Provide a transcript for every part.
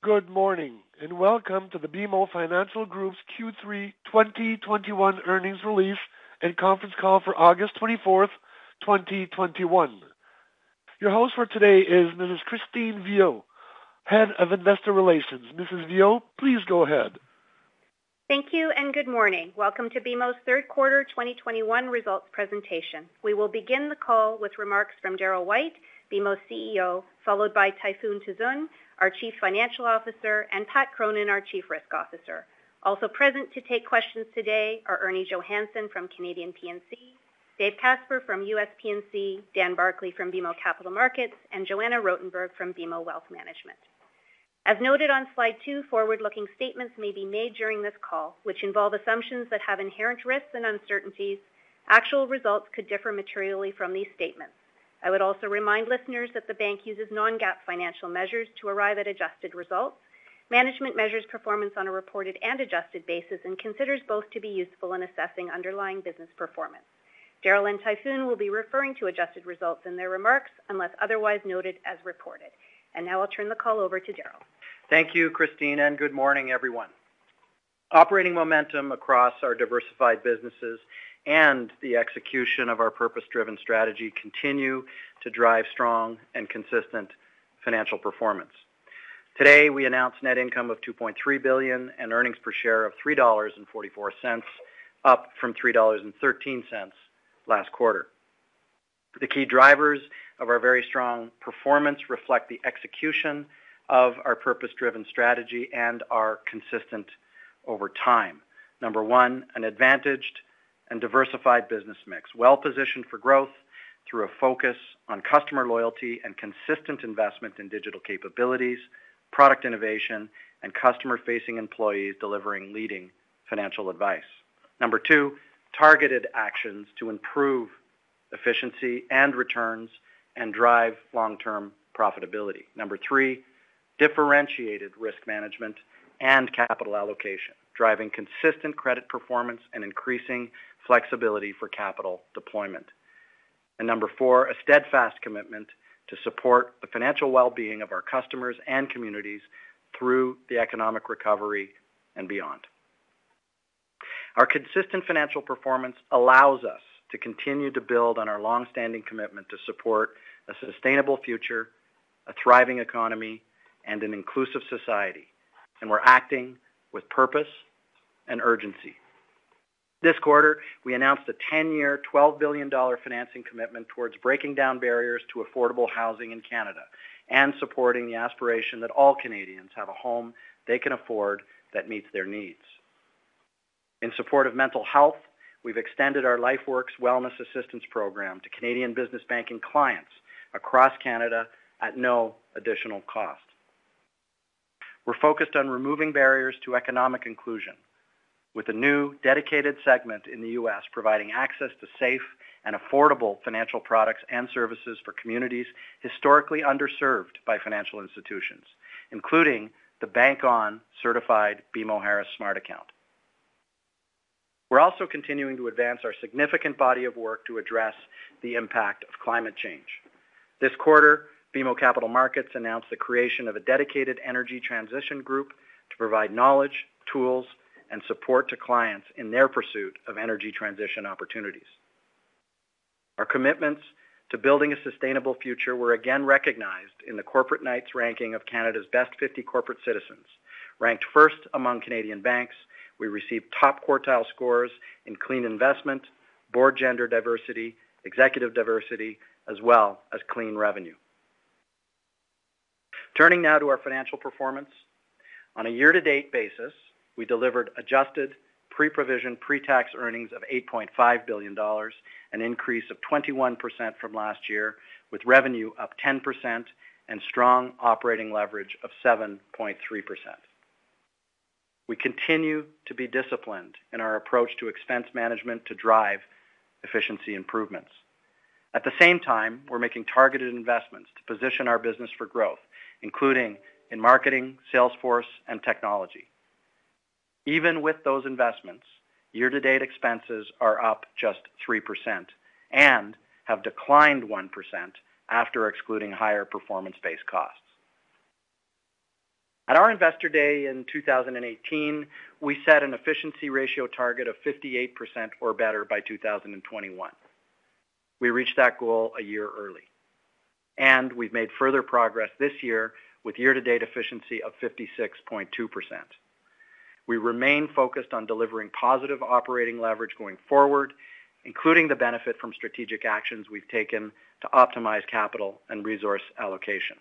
Good morning, and welcome to the BMO Financial Group's Q3 2021 earnings release and conference call for August 24th, 2021. Your host for today is Mrs. Christine Viau, Head of Investor Relations. Mrs. Viau, please go ahead. Thank you. Good morning. Welcome to BMO's third quarter 2021 results presentation. We will begin the call with remarks from Darryl White, BMO's CEO, followed by Tayfun Tuzun, our Chief Financial Officer, and Pat Cronin, our Chief Risk Officer. Also present to take questions today are Ernie Johannson from Canadian P&C, David Casper from US P&C, Dan Barclay from BMO Capital Markets, and Joanna Rotenberg from BMO Wealth Management. As noted on slide two, forward-looking statements may be made during this call, which involve assumptions that have inherent risks and uncertainties. Actual results could differ materially from these statements. I would also remind listeners that the bank uses non-GAAP financial measures to arrive at adjusted results. Management measures performance on a reported and adjusted basis and considers both to be useful in assessing underlying business performance. Darryl and Tayfun will be referring to adjusted results in their remarks, unless otherwise noted as reported. Now I'll turn the call over to Darryl. Thank you, Christine. Good morning, everyone. Operating momentum across our diversified businesses and the execution of our purpose-driven strategy continue to drive strong and consistent financial performance. Today, we announced net income of 2.3 billion and earnings per share of 3.44 dollars, up from 3.13 dollars last quarter. The key drivers of our very strong performance reflect the execution of our purpose-driven strategy and are consistent over time. Number one, an advantaged and diversified business mix, well-positioned for growth through a focus on customer loyalty and consistent investment in digital capabilities, product innovation, and customer-facing employees delivering leading financial advice. Number two, targeted actions to improve efficiency and returns and drive long-term profitability. Number three, differentiated risk management and capital allocation, driving consistent credit performance and increasing flexibility for capital deployment. Number four, a steadfast commitment to support the financial well-being of our customers and communities through the economic recovery and beyond. Our consistent financial performance allows us to continue to build on our longstanding commitment to support a sustainable future, a thriving economy, and an inclusive society. We're acting with purpose and urgency. This quarter, we announced a 10-year, 12 billion dollar financing commitment towards breaking down barriers to affordable housing in Canada and supporting the aspiration that all Canadians have a home they can afford that meets their needs. In support of mental health, we've extended our LifeWorks Wellness Assistance Program to Canadian business banking clients across Canada at no additional cost. We're focused on removing barriers to economic inclusion with a new dedicated segment in the U.S. providing access to safe and affordable financial products and services for communities historically underserved by financial institutions, including the Bank On certified BMO Harris Smart Money Account. We're also continuing to advance our significant body of work to address the impact of climate change. This quarter, BMO Capital Markets announced the creation of a dedicated energy transition group to provide knowledge, tools, and support to clients in their pursuit of energy transition opportunities. Our commitments to building a sustainable future were again recognized in the Corporate Knights ranking of Canada's Best 50 Corporate Citizens. Ranked first among Canadian banks, we received top quartile scores in clean investment, board gender diversity, executive diversity, as well as clean revenue. Turning now to our financial performance. On a year-to-date basis, we delivered adjusted Pre-Provision, Pre-Tax earnings of 8.5 billion dollars, an increase of 21% from last year, with revenue up 10% and strong operating leverage of 7.3%. We continue to be disciplined in our approach to expense management to drive efficiency improvements. At the same time, we're making targeted investments to position our business for growth, including in marketing, sales force, and technology. Even with those investments, year-to-date expenses are up just 3% and have declined 1% after excluding higher performance-based costs. At our investor day in 2018, we set an efficiency ratio target of 58% or better by 2021. We reached that goal a year early. We've made further progress this year with year-to-date efficiency of 56.2%. We remain focused on delivering positive operating leverage going forward, including the benefit from strategic actions we've taken to optimize capital and resource allocation.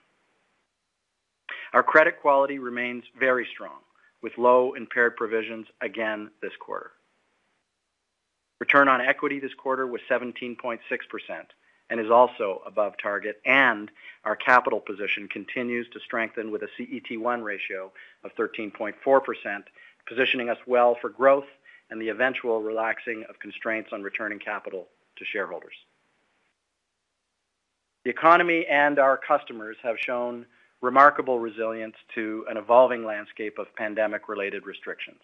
Our credit quality remains very strong, with low impaired provisions again this quarter. Return on equity this quarter was 17.6% and is also above target, and our capital position continues to strengthen with a CET1 ratio of 13.4%, positioning us well for growth and the eventual relaxing of constraints on returning capital to shareholders. The economy and our customers have shown remarkable resilience to an evolving landscape of pandemic-related restrictions.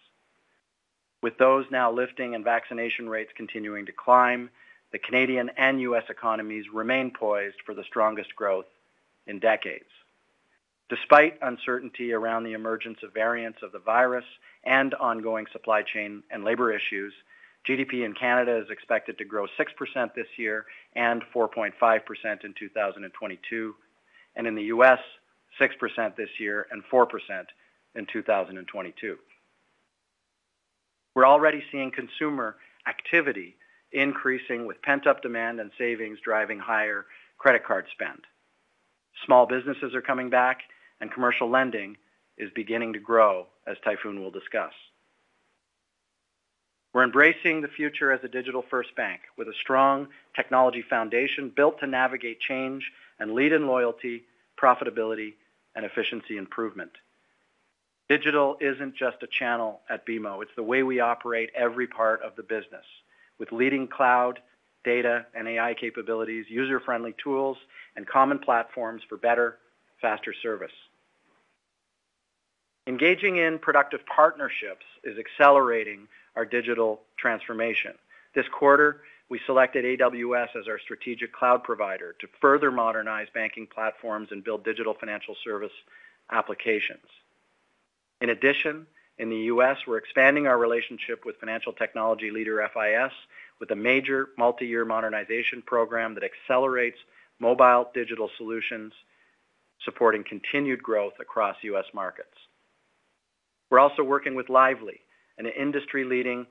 With those now lifting and vaccination rates continuing to climb, the Canadian and U.S. economies remain poised for the strongest growth in decades. Despite uncertainty around the emergence of variants of the virus and ongoing supply chain and labor issues, GDP in Canada is expected to grow 6% this year and 4.5% in 2022, and in the U.S., 6% this year and 4% in 2022. We're already seeing consumer activity increasing with pent-up demand and savings driving higher credit card spend. Small businesses are coming back, and commercial lending is beginning to grow, as Tayfun will discuss. We're embracing the future as a digital-first bank with a strong technology foundation built to navigate change and lead in loyalty, profitability, and efficiency improvement. Digital isn't just a channel at BMO, it's the way we operate every part of the business with leading cloud data and AI capabilities, user-friendly tools, and common platforms for better, faster service. Engaging in productive partnerships is accelerating our digital transformation. This quarter, we selected AWS as our strategic cloud provider to further modernize banking platforms and build digital financial service applications. In addition, in the U.S., we're expanding our relationship with financial technology leader FIS with a major multi-year modernization program that accelerates mobile digital solutions, supporting continued growth across U.S. markets. We're also working with Lively, an industry-leading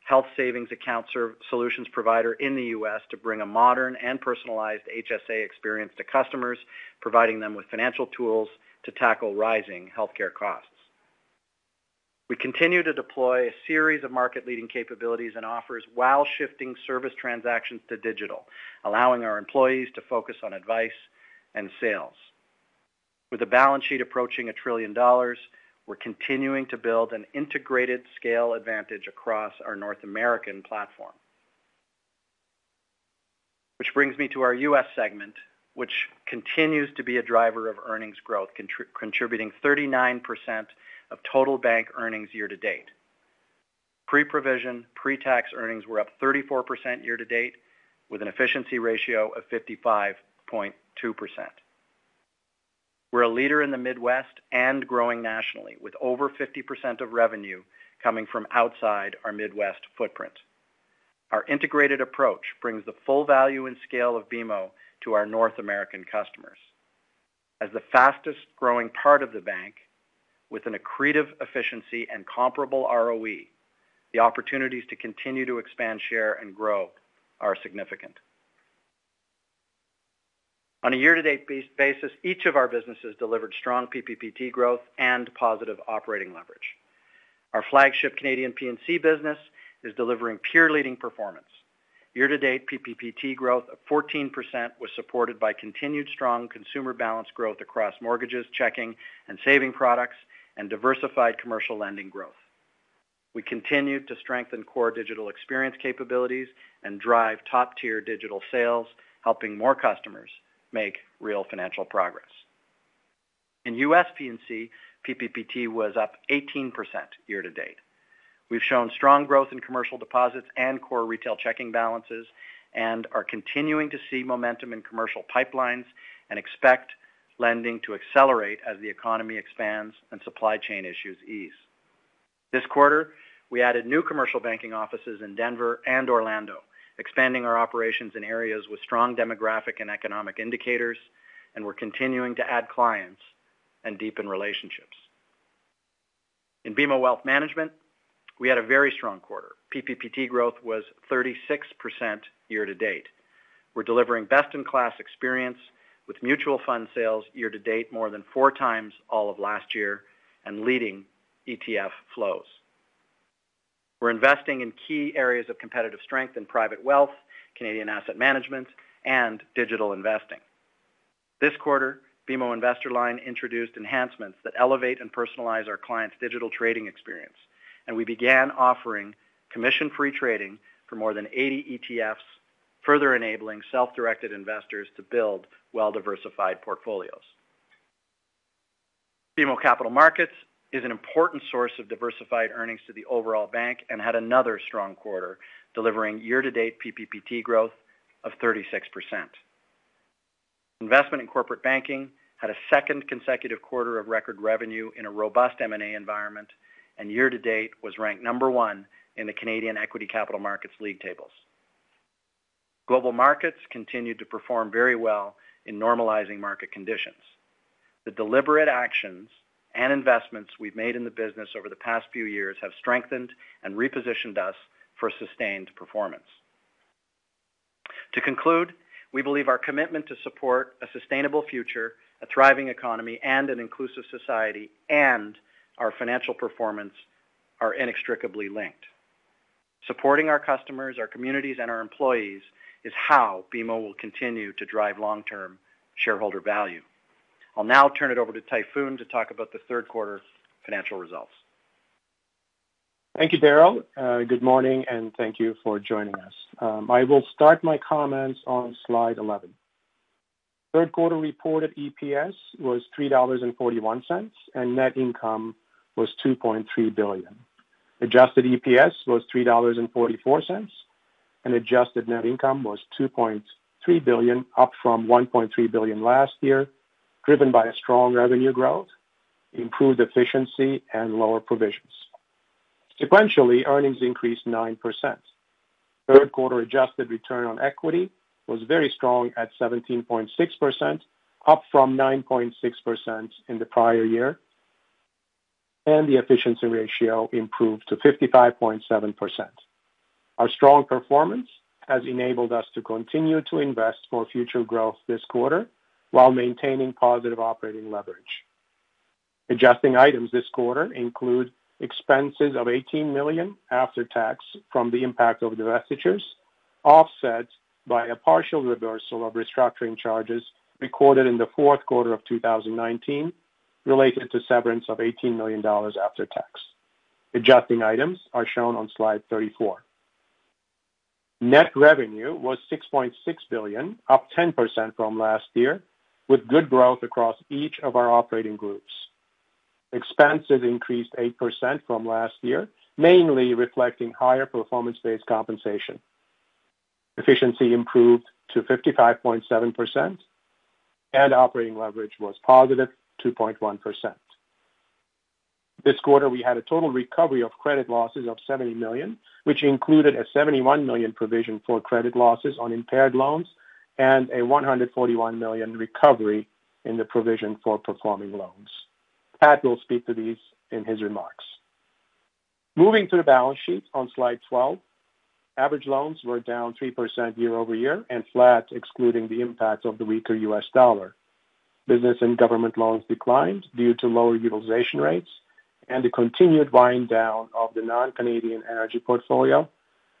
health savings account solutions provider in the U.S., to bring a modern and personalized HSA experience to customers, providing them with financial tools to tackle rising healthcare costs. We continue to deploy a series of market-leading capabilities and offers while shifting service transactions to digital, allowing our employees to focus on advice and sales. With a balance sheet approaching 1 trillion dollars, we're continuing to build an integrated scale advantage across our North American platform. Which brings me to our U.S. segment, which continues to be a driver of earnings growth, contributing 39% of total bank earnings year to date. Pre-provision, pre-tax earnings were up 34% year to date with an efficiency ratio of 55.2%. We're a leader in the Midwest and growing nationally with over 50% of revenue coming from outside our Midwest footprint. Our integrated approach brings the full value and scale of BMO to our North American customers. As the fastest-growing part of the bank with an accretive efficiency and comparable ROE, the opportunities to continue to expand, share, and grow are significant. On a year-to-date basis, each of our businesses delivered strong PPPT growth and positive operating leverage. Our flagship Canadian P&C business is delivering peer leading performance. Year-to-date, PPPT growth of 14% was supported by continued strong consumer balance growth across mortgages, checking, and saving products, and diversified commercial lending growth. We continued to strengthen core digital experience capabilities and drive top-tier digital sales, helping more customers make real financial progress. In US P&C, PPPT was up 18% year-to-date. We've shown strong growth in commercial deposits and core retail checking balances and are continuing to see momentum in commercial pipelines and expect lending to accelerate as the economy expands and supply chain issues ease. This quarter, we added new commercial banking offices in Denver and Orlando, expanding our operations in areas with strong demographic and economic indicators, and we're continuing to add clients and deepen relationships. In BMO Wealth Management, we had a very strong quarter. PPPT growth was 36% year to date. We're delivering best-in-class experience with mutual fund sales year to date more than four times all of last year and leading ETF flows. We're investing in key areas of competitive strength in private wealth, Canadian asset management, and digital investing. This quarter, BMO InvestorLine introduced enhancements that elevate and personalize our clients' digital trading experience. We began offering commission-free trading for more than 80 ETFs, further enabling self-directed investors to build well-diversified portfolios. BMO Capital Markets is an important source of diversified earnings to the overall bank and had another strong quarter, delivering year-to-date PPPT growth of 36%. Investment in Corporate Banking had a second consecutive quarter of record revenue in a robust M&A environment. Year-to-date was ranked number one in the Canadian equity capital markets league tables. Global markets continued to perform very well in normalizing market conditions. The deliberate actions and investments we've made in the business over the past few years have strengthened and repositioned us for sustained performance. To conclude, we believe our commitment to support a sustainable future, a thriving economy, and an inclusive society, and our financial performance are inextricably linked. Supporting our customers, our communities, and our employees is how BMO will continue to drive long-term shareholder value. I'll now turn it over to Tayfun to talk about the third quarter financial results. Thank you, Darryl. Good morning and thank you for joining us. I will start my comments on slide 11. Third quarter reported EPS was 3.41 dollars and net income was 2.3 billion. Adjusted EPS was 3.44 dollars, and adjusted net income was 2.3 billion, up from 1.3 billion last year, driven by a strong revenue growth, improved efficiency, and lower provisions. Sequentially, earnings increased 9%. Third quarter adjusted return on equity was very strong at 17.6%, up from 9.6% in the prior year, and the efficiency ratio improved to 55.7%. Our strong performance has enabled us to continue to invest for future growth this quarter while maintaining positive operating leverage. Adjusting items this quarter include expenses of 18 million after tax from the impact of divestitures, offset by a partial reversal of restructuring charges recorded in the fourth quarter of 2019 related to severance of 18 million dollars after tax. Adjusting items are shown on slide 34. Net revenue was 6.6 billion, up 10% from last year, with good growth across each of our operating groups. Expenses increased 8% from last year, mainly reflecting higher performance-based compensation. Efficiency improved to 55.7%, and operating leverage was positive 2.1%. This quarter, we had a total recovery of credit losses of 70 million, which included a 71 million provision for credit losses on impaired loans and a 141 million recovery in the provision for performing loans. Pat will speak to these in his remarks. Moving to the balance sheet on slide 12. Average loans were down 3% year-over-year and flat excluding the impact of the weaker U.S. dollar. Business and government loans declined due to lower utilization rates and the continued wind down of the non-Canadian energy portfolio,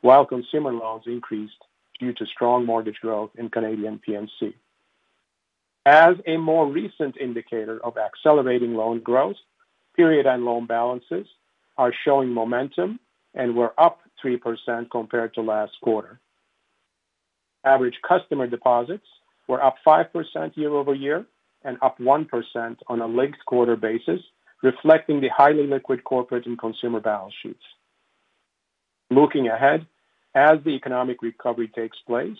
while consumer loans increased due to strong mortgage growth in Canadian P&C. As a more recent indicator of accelerating loan growth, period end loan balances are showing momentum and were up 3% compared to last quarter. Average customer deposits were up 5% year-over-year and up 1% on a linked-quarter basis, reflecting the highly liquid corporate and consumer balance sheets. Looking ahead, as the economic recovery takes place,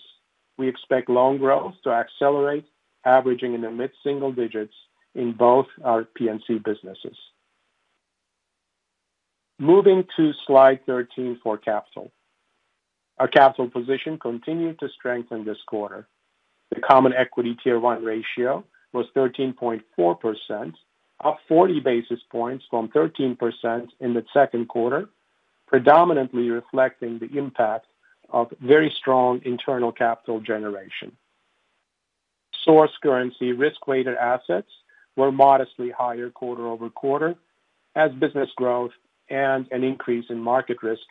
we expect loan growth to accelerate, averaging in the mid-single digits in both our P&C businesses. Moving to slide 13 for capital. Our capital position continued to strengthen this quarter. The common equity Tier 1 ratio was 13.4%, up 40 basis points from 13% in the second quarter, predominantly reflecting the impact of very strong internal capital generation. Source currency risk-weighted assets were modestly higher quarter-over-quarter as business growth and an increase in market risk,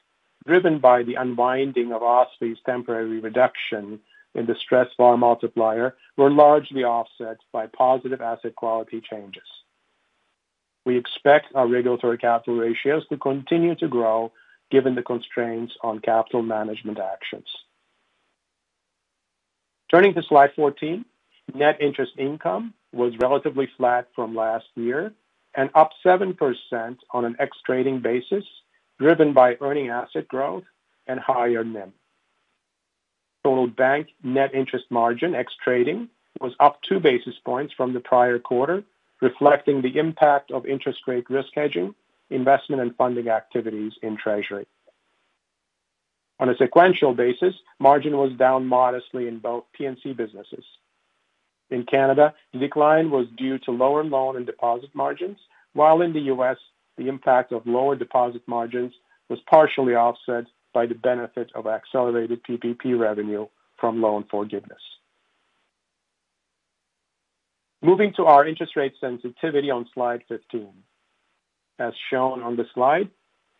driven by the unwinding of OSFI's temporary reduction in the stress VaR multiplier, were largely offset by positive asset quality changes. We expect our regulatory capital ratios to continue to grow given the constraints on capital management actions. Turning to slide 14. Net interest income was relatively flat from last year and up 7% on an ex-trading basis, driven by earning asset growth and higher NIM. Total bank net interest margin ex-trading was up basis 2 points from the prior quarter, reflecting the impact of interest rate risk hedging investment and funding activities in treasury. On a sequential basis, margin was down modestly in both P&C businesses. In Canada, decline was due to lower loan and deposit margins, while in the U.S., the impact of lower deposit margins was partially offset by the benefit of accelerated PPP revenue from loan forgiveness. Moving to our interest rate sensitivity on slide 15. As shown on the slide,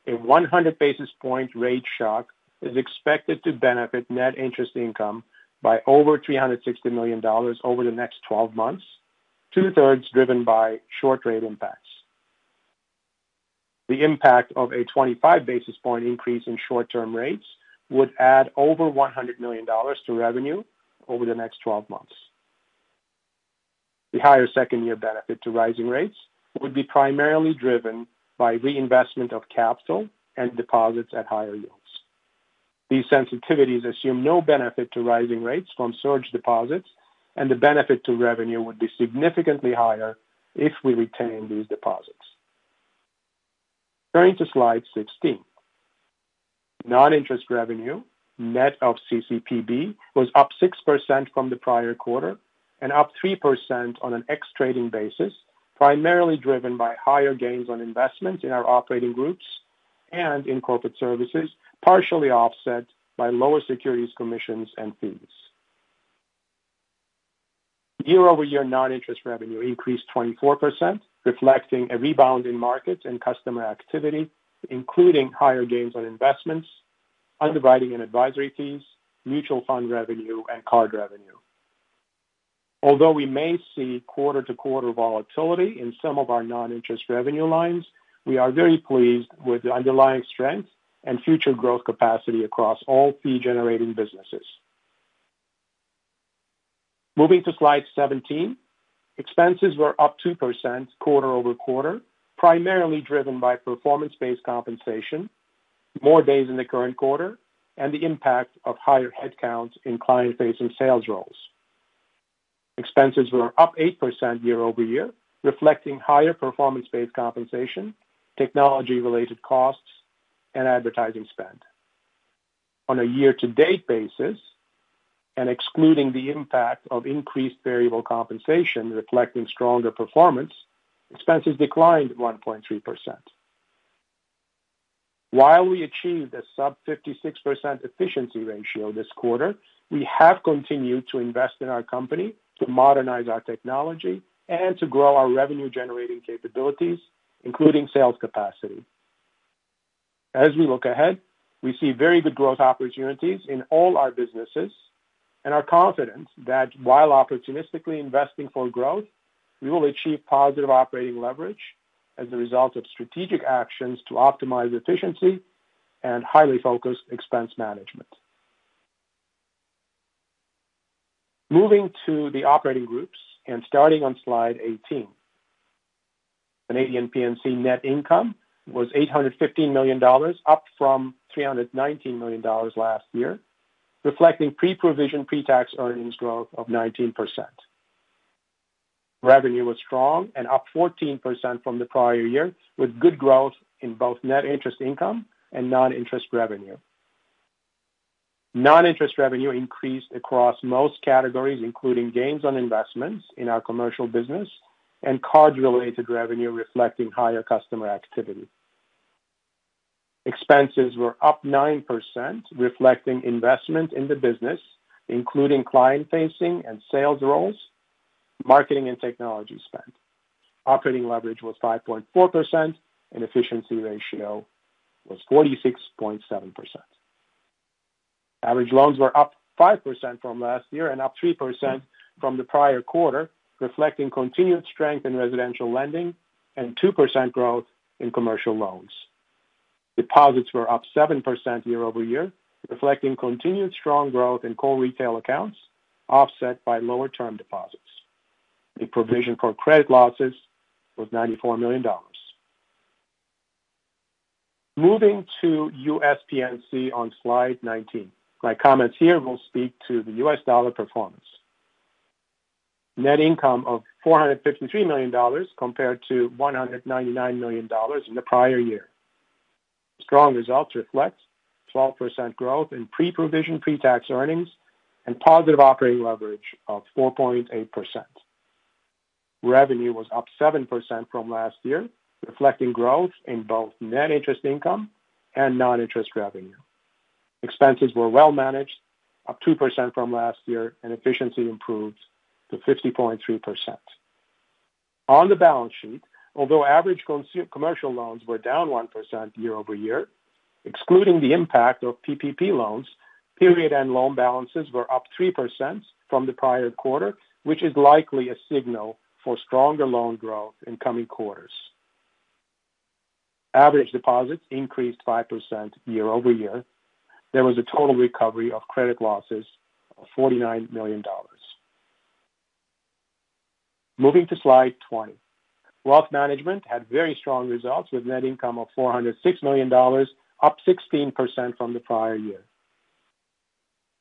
a 100 basis point rate shock is expected to benefit net interest income by over 360 million dollars over the next 12 months, 2/3 driven by short rate impacts. The impact of a 25 basis point increase in short-term rates would add over 100 million dollars to revenue over the next 12 months. The higher second year benefit to rising rates would be primarily driven by reinvestment of capital and deposits at higher yields. These sensitivities assume no benefit to rising rates from surge deposits, and the benefit to revenue would be significantly higher if we retain these deposits. Turning to slide 16. Non-interest revenue, net of CCPB, was up 6% from the prior quarter and up 3% on an ex-trading basis, primarily driven by higher gains on investments in our operating groups and in corporate services, partially offset by lower securities commissions and fees. Year-over-year non-interest revenue increased 24%, reflecting a rebound in markets and customer activity, including higher gains on investments, underwriting and advisory fees, mutual fund revenue, and card revenue. Although we may see quarter-over-quarter volatility in some of our non-interest revenue lines, we are very pleased with the underlying strength and future growth capacity across all fee-generating businesses. Moving to slide 17. Expenses were up 2% quarter-over-quarter, primarily driven by performance-based compensation, more days in the current quarter, and the impact of higher headcounts in client-facing sales roles. Expenses were up 8% year-over-year, reflecting higher performance-based compensation, technology-related costs, and advertising spend. On a year-to-date basis, and excluding the impact of increased variable compensation reflecting stronger performance, expenses declined 1.3%. While we achieved a sub 56% efficiency ratio this quarter, we have continued to invest in our company to modernize our technology and to grow our revenue-generating capabilities, including sales capacity. As we look ahead, we see very good growth opportunities in all our businesses and are confident that while opportunistically investing for growth, we will achieve positive operating leverage as a result of strategic actions to optimize efficiency and highly focused expense management. Moving to the operating groups and starting on slide 18. Canadian P&C net income was 815 million dollars, up from 319 million dollars last year, reflecting Pre-Provision, Pre-Tax earnings growth of 19%. Revenue was strong and up 14% from the prior year, with good growth in both net interest income and non-interest revenue. Non-interest revenue increased across most categories, including gains on investments in our commercial business and card-related revenue reflecting higher customer activity. Expenses were up 9%, reflecting investment in the business, including client-facing and sales roles, marketing, and technology spend. Operating leverage was 5.4%, and efficiency ratio was 46.7%. Average loans were up 5% from last year and up 3% from the prior quarter, reflecting continued strength in residential lending and 2% growth in commercial loans. Deposits were up 7% year-over-year, reflecting continued strong growth in core retail accounts, offset by lower term deposits. The provision for credit losses was 94 million dollars. Moving to US P&C on slide 19. My comments here will speak to the U.S. dollar performance. Net income of $453 million compared to $199 million in the prior year. Strong results reflect 12% growth in Pre-Provision, Pre-Tax earnings, and positive operating leverage of 4.8%. Revenue was up 7% from last year, reflecting growth in both net interest income and non-interest revenue. Expenses were well managed, up 2% from last year, and efficiency improved to 50.3%. On the balance sheet, although average commercial loans were down 1% year-over-year, excluding the impact of PPP loans, period-end loan balances were up 3% from the prior quarter, which is likely a signal for stronger loan growth in coming quarters. Average deposits increased 5% year-over-year. There was a total recovery of credit losses of 49 million dollars. Moving to slide 20. Wealth Management had very strong results, with net income of 406 million dollars, up 16% from the prior year.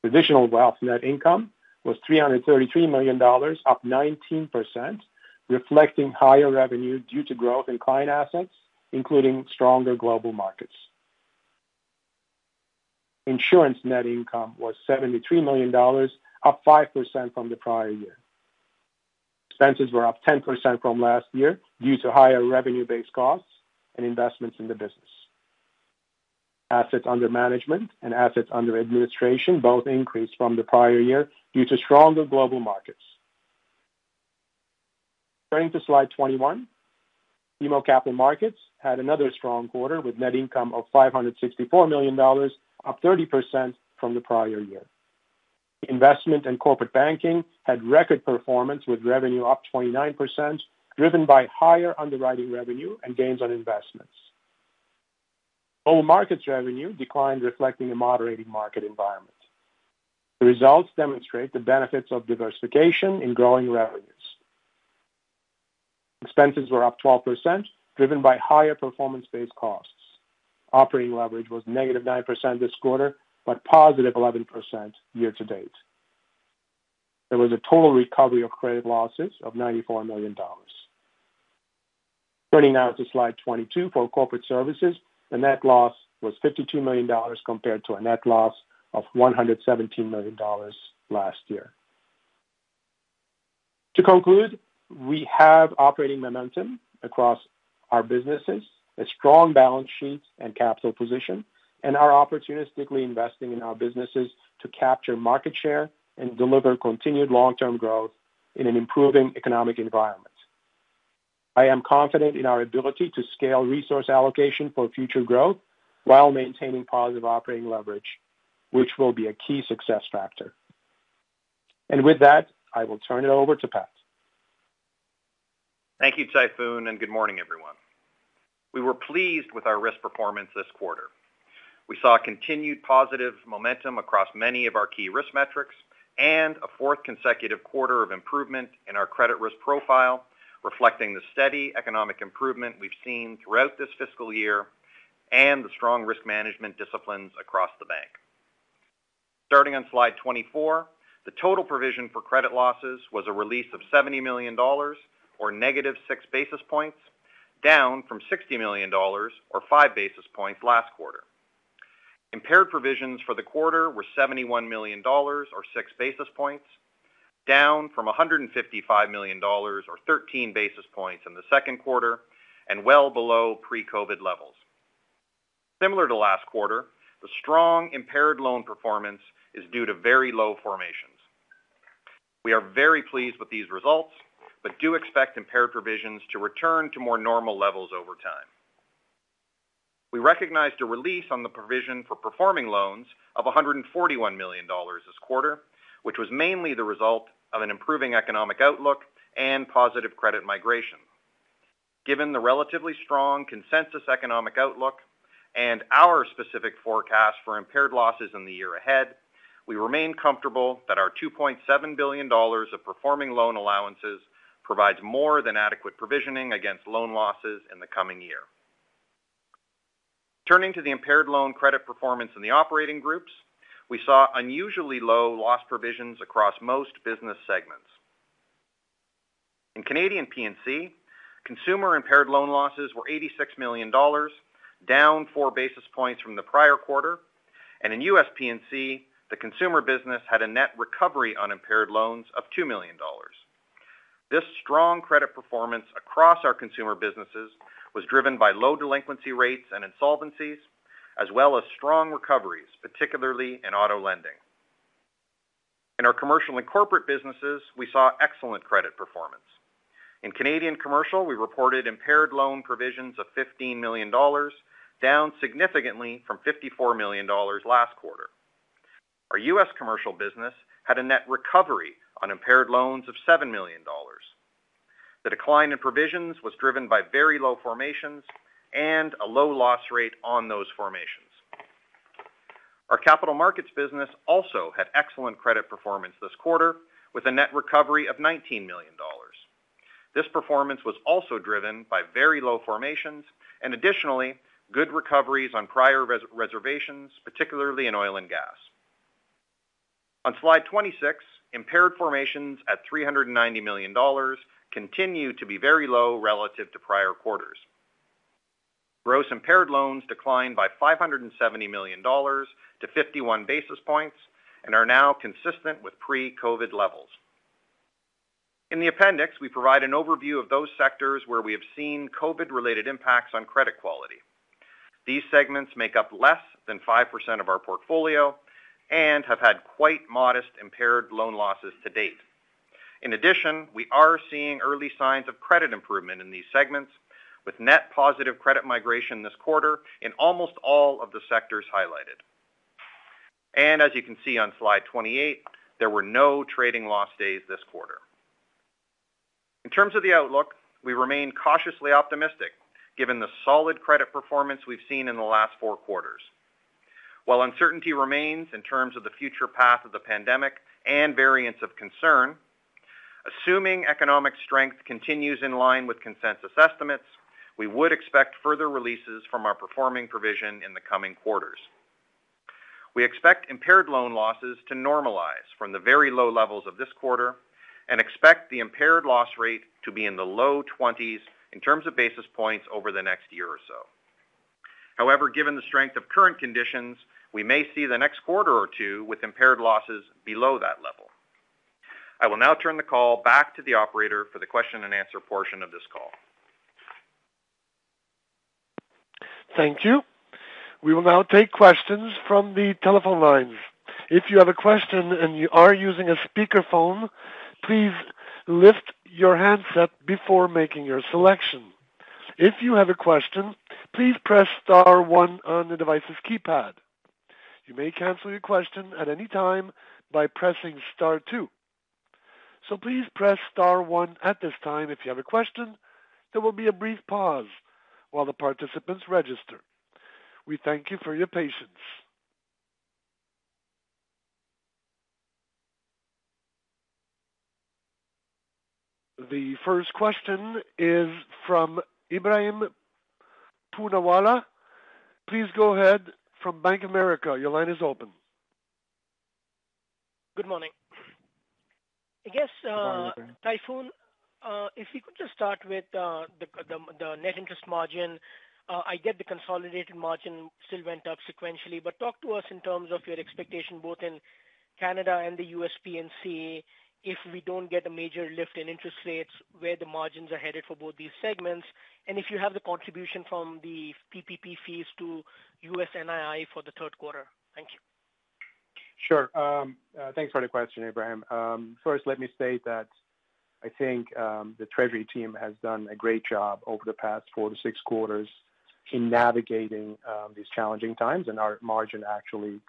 Traditional wealth net income was 333 million dollars, up 19%, reflecting higher revenue due to growth in client assets, including stronger global markets. Insurance net income was 73 million dollars, up 5% from the prior year. Expenses were up 10% from last year due to higher revenue-based costs and investments in the business. Assets under management and assets under administration both increased from the prior year due to stronger global markets. Turning to slide 21. BMO Capital Markets had another strong quarter with net income of 564 million dollars, up 30% from the prior year. Investment and Corporate Banking had record performance with revenue up 29%, driven by higher underwriting revenue and gains on investments. Global Markets revenue declined, reflecting a moderating market environment. The results demonstrate the benefits of diversification in growing revenues. Expenses were up 12%, driven by higher performance-based costs. Operating leverage was negative 9% this quarter, but positive 11% year to date. There was a total recovery of credit losses of 94 million dollars. Turning now to slide 22 for Corporate Services. The net loss was 52 million dollars compared to a net loss of 117 million dollars last year. To conclude, we have operating momentum across our businesses, a strong balance sheet and capital position, and are opportunistically investing in our businesses to capture market share and deliver continued long-term growth in an improving economic environment. I am confident in our ability to scale resource allocation for future growth while maintaining positive operating leverage, which will be a key success factor. With that, I will turn it over to Pat. Thank you, Tayfun, and good morning, everyone. We were pleased with our risk performance this quarter. We saw continued positive momentum across many of our key risk metrics and a fourth consecutive quarter of improvement in our credit risk profile, reflecting the steady economic improvement we've seen throughout this fiscal year and the strong risk management disciplines across the bank. Starting on slide 24, the total provision for credit losses was a release of 70 million dollars or -6 basis points, down from 60 million dollars or 5 basis points last quarter. Impaired provisions for the quarter were 71 million dollars or 6 basis points, down from 155 million dollars or 13 basis points in the second quarter and well below pre-COVID levels. Similar to last quarter, the strong impaired loan performance is due to very low formations. We are very pleased with these results but do expect impaired provisions to return to more normal levels over time. We recognized a release on the provision for performing loans of 141 million dollars this quarter, which was mainly the result of an improving economic outlook and positive credit migration. Given the relatively strong consensus economic outlook and our specific forecast for impaired losses in the year ahead, we remain comfortable that our 2.7 billion dollars of performing loan allowances provides more than adequate provisioning against loan losses in the coming year. Turning to the impaired loan credit performance in the operating groups, we saw unusually low loss provisions across most business segments. In Canadian P&C, consumer-impaired loan losses were 86 million dollars, down 4 basis points from the prior quarter. In US P&C, the consumer business had a net recovery on impaired loans of 2 million dollars. This strong credit performance across our consumer businesses was driven by low delinquency rates and insolvencies, as well as strong recoveries, particularly in auto lending. In our commercial and corporate businesses, we saw excellent credit performance. In Canadian Commercial, we reported impaired loan provisions of 15 million dollars, down significantly from 54 million dollars last quarter. Our U.S. Commercial business had a net recovery on impaired loans of 7 million dollars. The decline in provisions was driven by very low formations and a low loss rate on those formations. Our Capital Markets business also had excellent credit performance this quarter, with a net recovery of 19 million dollars. This performance was also driven by very low formations and additionally, good recoveries on prior reservations, particularly in oil and gas. On slide 26, impaired formations at 390 million dollars continue to be very low relative to prior quarters. Gross impaired loans declined by 570 million dollars to 51 basis points and are now consistent with pre-COVID levels. In the appendix, we provide an overview of those sectors where we have seen COVID-related impacts on credit quality. These segments make up less than 5% of our portfolio and have had quite modest impaired loan losses to date. In addition, we are seeing early signs of credit improvement in these segments with net positive credit migration this quarter in almost all of the sectors highlighted. As you can see on slide 28, there were no trading loss days this quarter. In terms of the outlook, we remain cautiously optimistic given the solid credit performance we've seen in the last four quarters. While uncertainty remains in terms of the future path of the pandemic and variants of concern, assuming economic strength continues in line with consensus estimates, we would expect further releases from our performing provision in the coming quarters. We expect impaired loan losses to normalize from the very low levels of this quarter and expect the impaired loss rate to be in the low 20s in terms of basis points over the next year or so. However, given the strength of current conditions, we may see the next quarter or two with impaired losses below that level. I will now turn the call back to the operator for the question and answer portion of this call. Thank you. We will now take questions from the telephone lines. If you have a question and you are using a speakerphone, please lift your handset before making your selection. The first question is from Ebrahim Poonawala. Please go ahead from Bank of America. Your line is open. Good morning. Good morning. Tayfun, if you could just start with the net interest margin. I get the consolidated margin still went up sequentially. Talk to us in terms of your expectation, both in Canada and the U.S. P&C, if we don't get a major lift in interest rates, where the margins are headed for both these segments, and if you have the contribution from the PPP fees to U.S. NII for the third quarter. Thank you. Sure. Thanks for the question, Ebrahim. First, let me state that I think the treasury team has done a great job over the past four to six quarters in navigating these challenging times, and our margin actually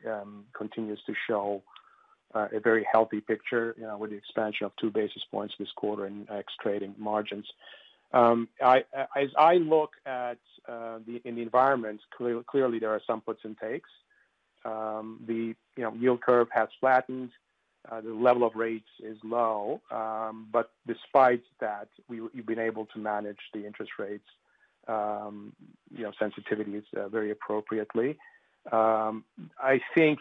continues to show A very healthy picture with the expansion of 2 basis points this quarter in X trading margins. I look at in the environment, clearly there are some puts and takes. The yield curve has flattened. The level of rates is low. Despite that, we've been able to manage the interest rates sensitivity very appropriately. I think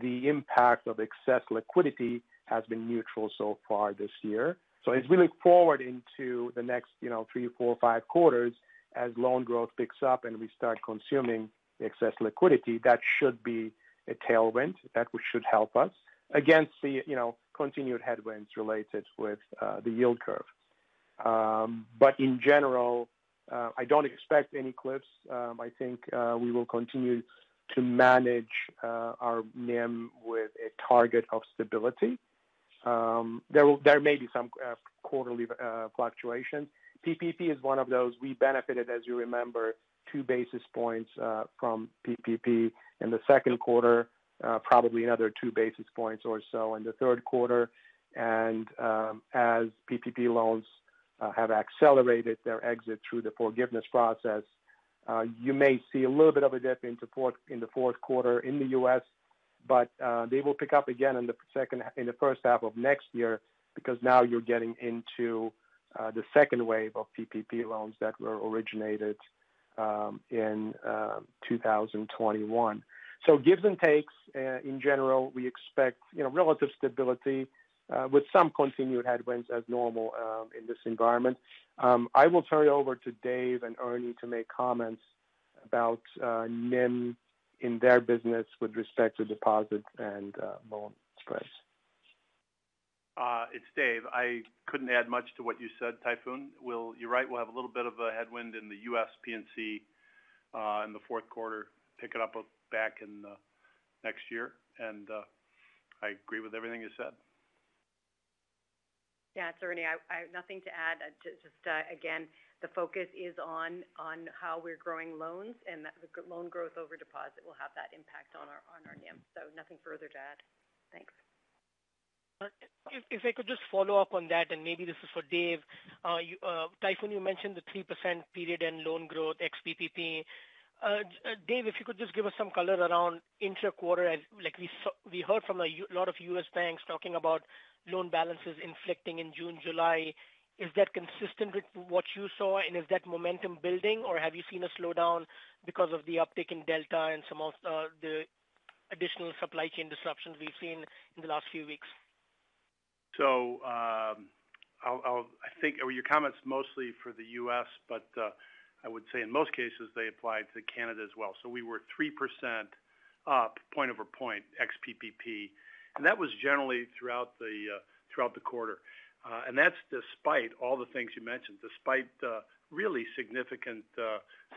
the impact of excess liquidity has been neutral so far this year. As we look forward into the next three, four, five quarters as loan growth picks up and we start consuming the excess liquidity, that should be a tailwind that should help us against the continued headwinds related with the yield curve. In general, I don't expect any cliffs. I think we will continue to manage our NIM with a target of stability. There may be some quarterly fluctuation. PPP is one of those. We benefited, as you remember, 2 basis points from PPP in the second quarter, probably another 2 basis points or so in the third quarter. As PPP loans have accelerated their exit through the forgiveness process, you may see a little bit of a dip in the fourth quarter in the U.S., but they will pick up again in the first half of next year because now you're getting into the second wave of PPP loans that were originated in 2021. Gives and takes. In general, we expect relative stability with some continued headwinds as normal in this environment. I will turn it over to Dave and Ernie to make comments about NIM in their business with respect to deposit and loan spreads. It's Dave. I couldn't add much to what you said, Tayfun. You're right, we'll have a little bit of a headwind in the US P&C in the fourth quarter, pick it up back in next year. I agree with everything you said. Ernie, I have nothing to add. Just again, the focus is on how we're growing loans and that the loan growth over deposit will have that impact on our NIM. Nothing further to add. Thanks. If I could just follow up on that, maybe this is for David Casper. Tayfun you mentioned the 3% period end loan growth ex PPP. Dave, if you could just give us some color around inter quarter as we heard from a lot of U.S. banks talking about loan balances inflecting in June, July. Is that consistent with what you saw? Is that momentum building, or have you seen a slowdown because of the uptick in Delta and some of the additional supply chain disruptions we've seen in the last few weeks? I think were your comments mostly for the U.S., but I would say in most cases they apply to Canada as well. We were 3% up point-over-point ex PPP, and that was generally throughout the quarter. That's despite all the things you mentioned. Despite the really significant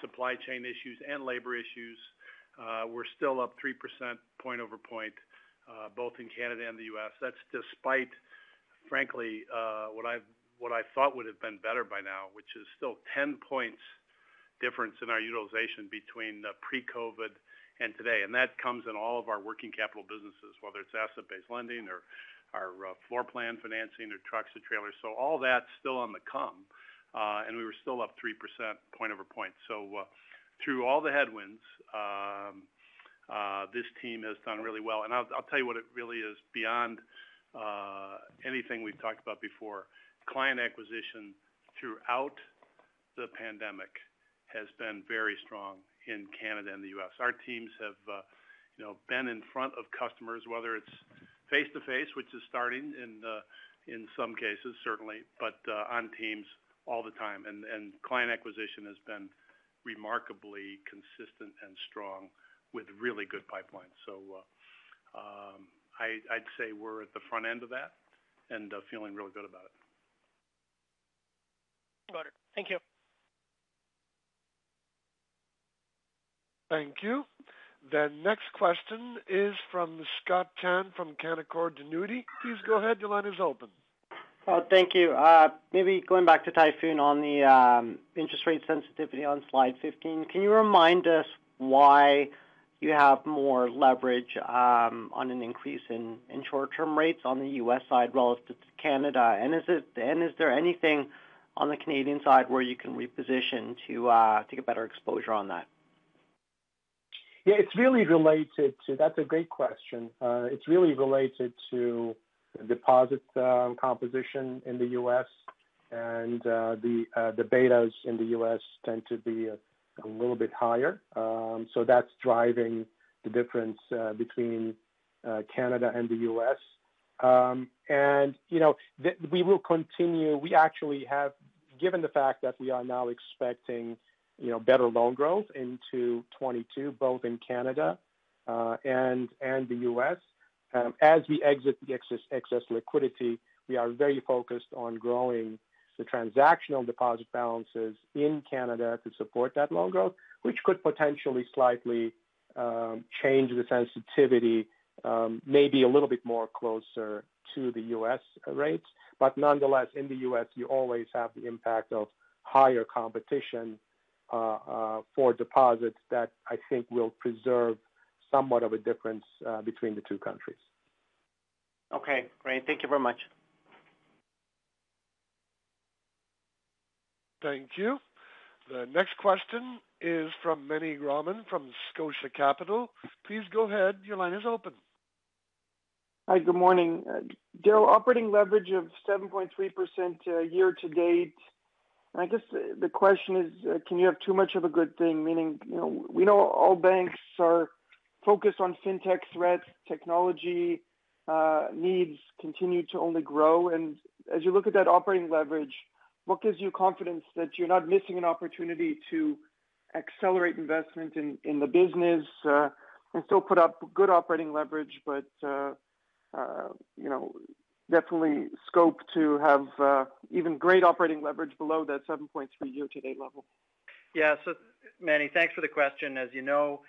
supply chain issues and labor issues, we're still up 3% point-over-point both in Canada and the U.S. That's despite, frankly, what I thought would've been better by now, which is still 10 points difference in our utilization between pre-COVID and today. That comes in all of our working capital businesses, whether it's asset-based lending or our floor plan financing or trucks or trailers. All that's still on the come, and we were still up 3% point-over-point. Through all the headwinds, this team has done really well. I'll tell you what it really is beyond anything we've talked about before. Client acquisition throughout the pandemic has been very strong in Canada and the U.S. Our teams have been in front of customers, whether it's face-to-face, which is starting in some cases certainly, but on teams all the time. Client acquisition has been remarkably consistent and strong with really good pipelines. I'd say we're at the front end of that and feeling really good about it. Got it. Thank you. Thank you. The next question is from Scott Chan from Canaccord Genuity. Please go ahead. Your line is open. Thank you. Maybe going back to Tayfun on the interest rate sensitivity on slide 15. Can you remind us why you have more leverage on an increase in short-term rates on the U.S. side relative to Canada? Is there anything on the Canadian side where you can reposition to get better exposure on that? Yeah, that's a great question. It's really related to deposit composition in the U.S. and the betas in the U.S. tend to be a little bit higher. That's driving the difference between Canada and the U.S. We will continue. Given the fact that we are now expecting better loan growth into 2022, both in Canada and the U.S. As we exit the excess liquidity, we are very focused on growing the transactional deposit balances in Canada to support that loan growth, which could potentially slightly change the sensitivity maybe a little bit more closer to the U.S. rates. Nonetheless, in the U.S., you always have the impact of higher competition. -for deposits that I think will preserve somewhat of a difference between the two countries. Okay, great. Thank you very much. Thank you. The next question is from Meny Grauman from Scotia Capital. Please go ahead. Hi. Good morning. Darryl, operating leverage of 7.3% year to date. I guess the question is can you have too much of a good thing? Meaning, we know all banks are focused on fintech threats, technology needs continue to only grow, and as you look at that operating leverage, what gives you confidence that you're not missing an opportunity to accelerate investment in the business, and still put up good operating leverage, but definitely scope to have even great operating leverage below that 7.3 year to date level? Yeah. Meny, thanks for the question. As you know,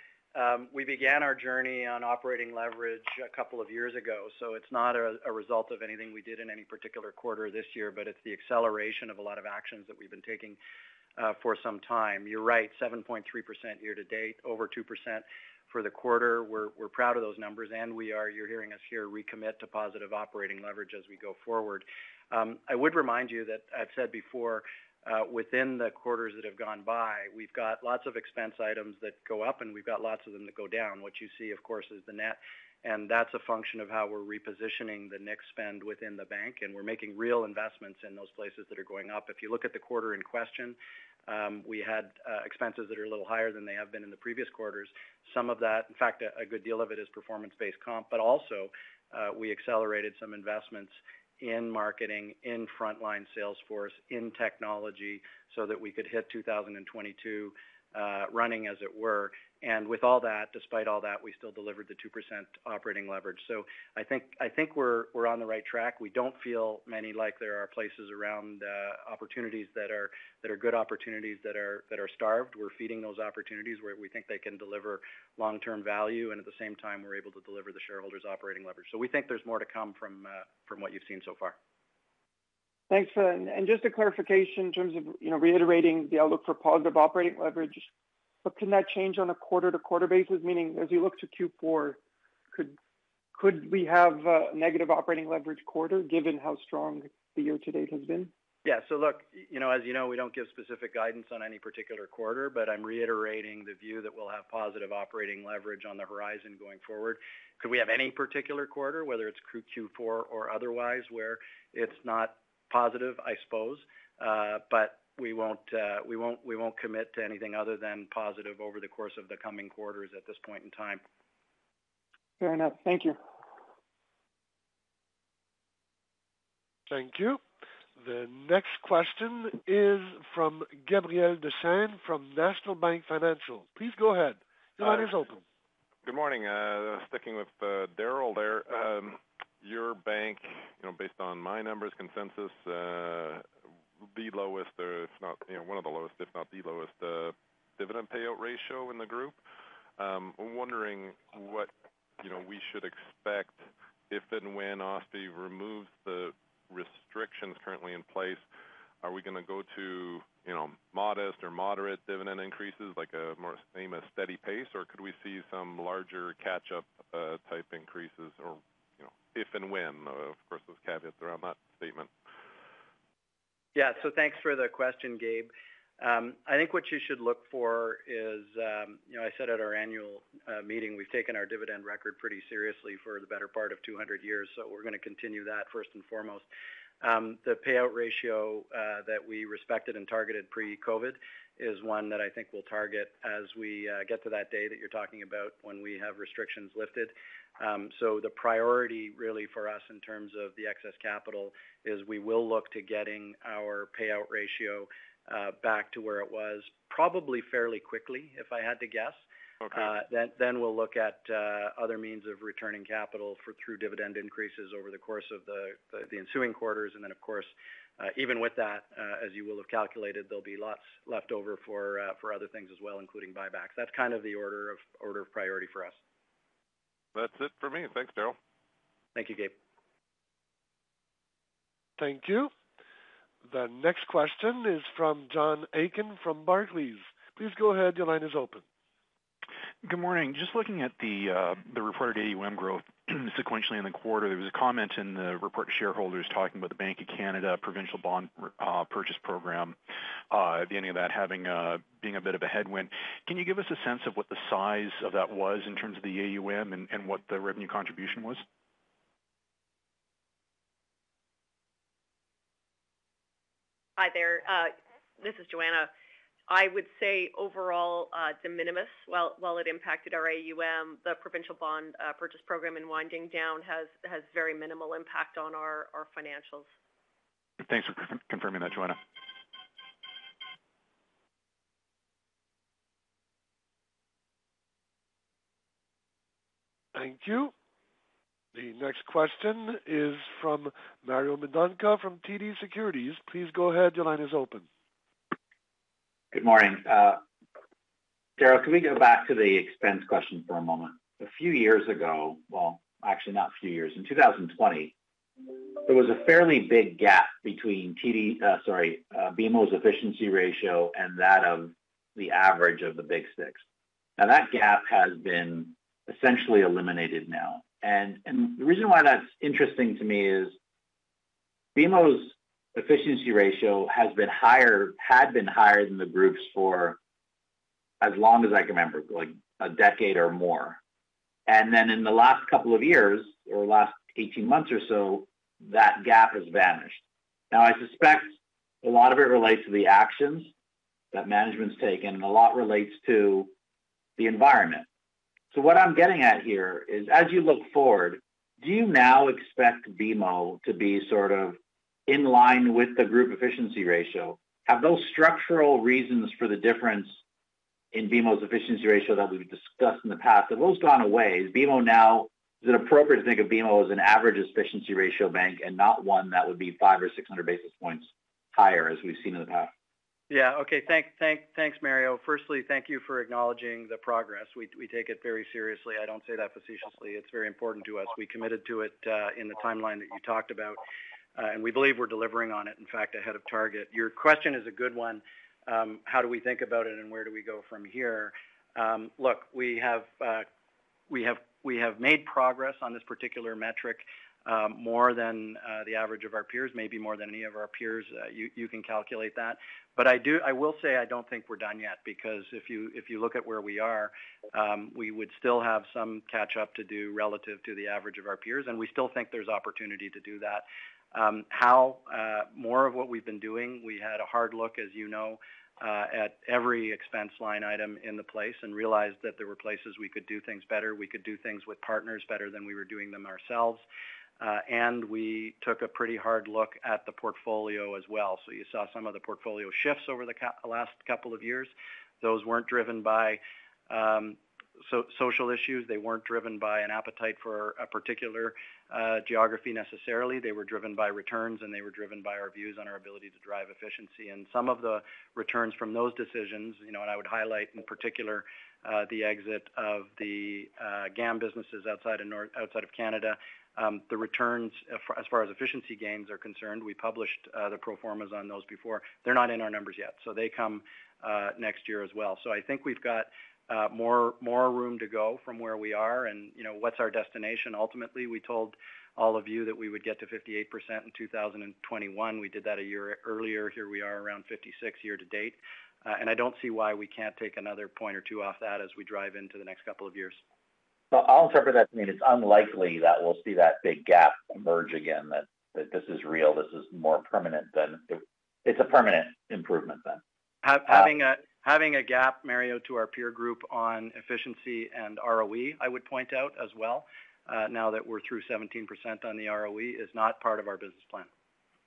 we began our journey on operating leverage two years ago. It's not a result of anything we did in any particular quarter this year, but it's the acceleration of a lot of actions that we've been taking for some time. You're right, 7.3% year-to-date, over 2% for the quarter. We're proud of those numbers. We are, you're hearing us here, recommit to positive operating leverage as we go forward. I would remind you that I've said before, within the quarters that have gone by, we've got lots of expense items that go up. We've got lots of them that go down. What you see, of course, is the net, and that's a function of how we're repositioning the next spend within the bank, and we're making real investments in those places that are going up. If you look at the quarter in question, we had expenses that are a little higher than they have been in the previous quarters. Some of that, in fact, a good deal of it is performance-based comp, but also, we accelerated some investments in marketing, in frontline sales force, in technology so that we could hit 2022 running as it were. With all that, despite all that, we still delivered the 2% operating leverage. I think we're on the right track. We don't feel, Manny, like there are places around opportunities that are good opportunities that are starved. We're feeding those opportunities where we think they can deliver long-term value, and at the same time, we're able to deliver the shareholders operating leverage. We think there's more to come from what you've seen so far. Thanks for that. Just a clarification in terms of reiterating the outlook for positive operating leverage, but can that change on a quarter-to-quarter basis? Meaning, as you look to Q4, could we have a negative operating leverage quarter given how strong the year-to-date has been? Yeah. Look, as you know, we don't give specific guidance on any particular quarter. I'm reiterating the view that we'll have positive operating leverage on the horizon going forward. Could we have any particular quarter, whether it's Q4 or otherwise, where it's not positive? I suppose. We won't commit to anything other than positive over the course of the coming quarters at this point in time. Fair enough. Thank you. Thank you. The next question is from Gabriel Dechaine from National Bank Financial. Please go ahead. Your line is open. Good morning. Sticking with Darryl there. Your bank, based on my numbers, consensus, the lowest or one of the lowest, if not the lowest, dividend payout ratio in the group. I'm wondering what we should expect if and when OSFI removes the restrictions currently in place. Are we going to go to modest or moderate dividend increases, like a more famous steady pace, or could we see some larger catch up type increases or if and when? Of course, those caveats around that statement. Yeah. Thanks for the question, Gab. I think what you should look for is I said at our annual meeting, we've taken our dividend record pretty seriously for the better part of 200 years, we're going to continue that first and foremost. The payout ratio that we respected and targeted pre-COVID is one that I think we'll target as we get to that day that you're talking about when we have restrictions lifted. The priority really for us in terms of the excess capital is we will look to getting our payout ratio back to where it was probably fairly quickly, if I had to guess. Okay. We'll look at other means of returning capital through dividend increases over the course of the ensuing quarters. Of course, even with that, as you will have calculated, there'll be lots left over for other things as well, including buybacks. That's kind of the order of priority for us. That's it for me. Thanks, Darryl. Thank you, Gab. Thank you. The next question is from John Aiken from Barclays. Please go ahead. Your line is open. Good morning. Just looking at the reported AUM growth sequentially in the quarter. There was a comment in the report to shareholders talking about the Bank of Canada provincial bond purchase program at the end of that being a bit of a headwind. Can you give us a sense of what the size of that was in terms of the AUM and what the revenue contribution was? Hi there. This is Joanna. I would say overall, de minimis, while it impacted our AUM, the provincial bond purchase program in winding down has very minimal impact on our financials. Thanks for confirming that, Joanna. Thank you. The next question is from Mario Mendonca from TD Securities. Please go ahead. Your line is open. Good morning. Darryl, can we go back to the expense question for a moment? Well, actually not a few years. In 2020, there was a fairly big gap between BMO's efficiency ratio and that of the average of the big six. That gap has been essentially eliminated now. The reason why that's interesting to me is BMO's efficiency ratio had been higher than the groups for as long as I can remember, a decade or more. In the last two years or last 18 months or so, that gap has vanished. I suspect a lot of it relates to the actions that management's taken, and a lot relates to the environment. What I'm getting at here is, as you look forward, do you now expect BMO to be sort of in line with the group efficiency ratio? Have those structural reasons for the difference in BMO's efficiency ratio that we've discussed in the past, have those gone away? Is it appropriate to think of BMO as an average efficiency ratio bank and not one that would be 500 or 600 basis points higher, as we've seen in the past? Yeah. Okay. Thanks, Mario. Firstly, thank you for acknowledging the progress. We take it very seriously. I don't say that facetiously. It's very important to us. We committed to it in the timeline that you talked about, and we believe we're delivering on it, in fact, ahead of target. Your question is a good one. How do we think about it and where do we go from here? Look, we have made progress on this particular metric more than the average of our peers, maybe more than any of our peers. You can calculate that. I will say, I don't think we're done yet, because if you look at where we are, we would still have some catch up to do relative to the average of our peers, and we still think there's opportunity to do that. How? More of what we've been doing. We had a hard look, as you know, at every expense line item in the place and realized that there were places we could do things better. We could do things with partners better than we were doing them ourselves. We took a pretty hard look at the portfolio as well. You saw some of the portfolio shifts over the last couple of years. Those weren't driven by social issues. They weren't driven by an appetite for a particular geography necessarily. They were driven by returns, and they were driven by our views on our ability to drive efficiency. Some of the returns from those decisions, and I would highlight in particular the exit of the GAM businesses outside of Canada, the returns as far as efficiency gains are concerned, we published the pro formas on those before. They're not in our numbers yet, so they come next year as well. I think we've got more room to go from where we are. What's our destination ultimately? We told all of you that we would get to 58% in 2021. We did that a year earlier. Here we are around 56 year to date, and I don't see why we can't take another point or two off that as we drive into the next couple of years. I'll interpret that to mean it's unlikely that we'll see that big gap emerge again, that this is real, this is more permanent, it's a permanent improvement then. Having a gap, Mario, to our peer group on efficiency and ROE, I would point out as well, now that we're through 17% on the ROE, is not part of our business plan.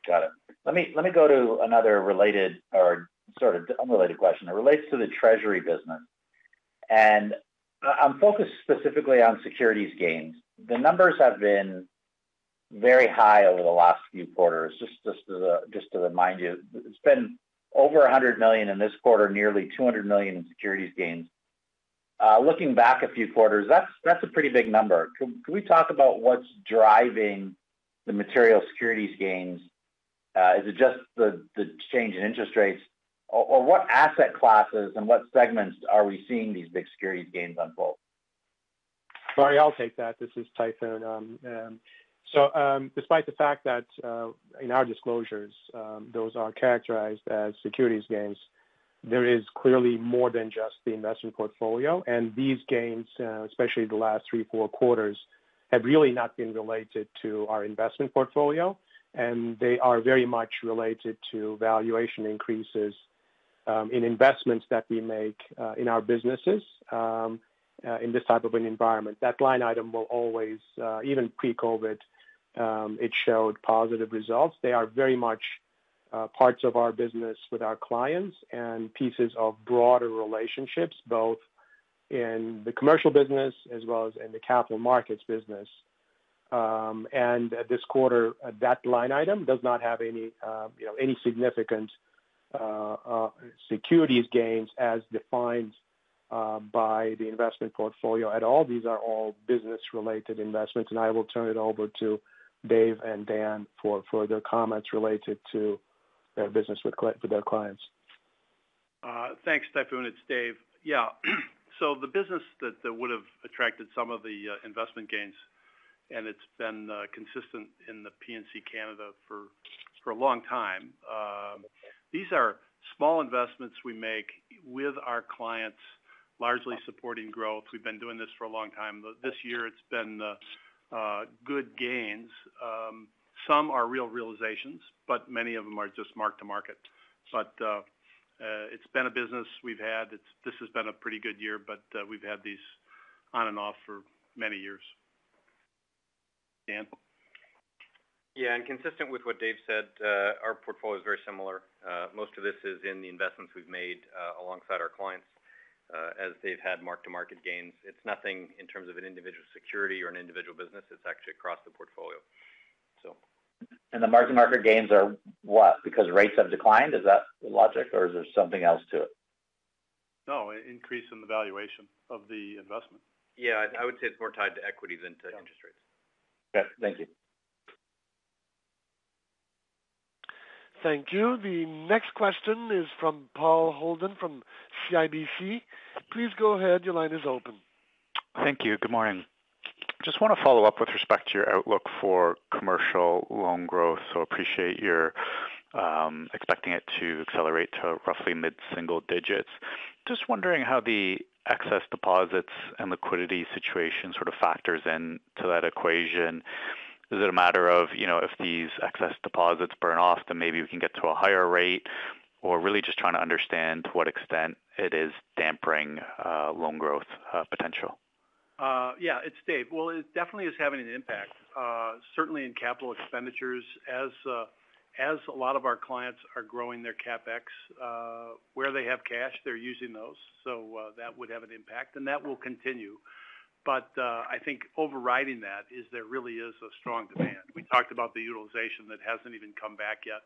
Got it. Let me go to another related or sort of unrelated question. It relates to the treasury business. I'm focused specifically on securities gains. The numbers have been very high over the last few quarters. Just to remind you, it's been over 100 million in this quarter, nearly 200 million in securities gains. Looking back a few quarters, that's a pretty big number. Can we talk about what's driving the material securities gains? Is it just the change in interest rates? What asset classes and what segments are we seeing these big securities gains on, Paul? Sorry, I'll take that. This is Tayfun. Despite the fact that in our disclosures, those are characterized as securities gains, there is clearly more than just the investment portfolio. These gains, especially the last 3, 4 quarters, have really not been related to our investment portfolio, and they are very much related to valuation increases in investments that we make in our businesses in this type of an environment. That line item will always, even pre-COVID, it showed positive results. They are very much parts of our business with our clients and pieces of broader relationships, both in the commercial business as well as in the Capital Markets business. This quarter, that line item does not have any significant securities gains as defined by the investment portfolio at all. These are all business-related investments, and I will turn it over to Dave and Dan for further comments related to their business with their clients. Thanks, Tayfun. It's Dave. The business that would have attracted some of the investment gains, and it's been consistent in the P&C Canada for a long time. These are small investments we make with our clients, largely supporting growth. We've been doing this for a long time. This year it's been good gains. Some are real realizations, many of them are just mark to market. It's been a business we've had. This has been a pretty good year, but we've had these on and off for many years. Dan? Yeah, consistent with what Dave said, our portfolio is very similar. Most of this is in the investments we've made alongside our clients as they've had mark-to-market gains. It's nothing in terms of an individual security or an individual business. It's actually across the portfolio. The mark-to-market gains are what? Because rates have declined? Is that the logic or is there something else to it? No, increase in the valuation of the investment. Yeah, I would say it's more tied to equity than to interest rates. Okay. Thank you. Thank you. The next question is from Paul Holden from CIBC. Please go ahead. Your line is open. Thank you. Good morning. Just want to follow up with respect to your outlook for commercial loan growth. Appreciate you're expecting it to accelerate to roughly mid-single digits. Just wondering how the excess deposits and liquidity situation sort of factors into that equation. Is it a matter of if these excess deposits burn off, then maybe we can get to a higher rate? Really just trying to understand to what extent it is dampening loan growth potential. It's Dave. It definitely is having an impact, certainly in capital expenditures as a lot of our clients are growing their CapEx. Where they have cash, they're using those. That would have an impact, and that will continue. I think overriding that is there really is a strong demand. We talked about the utilization that hasn't even come back yet,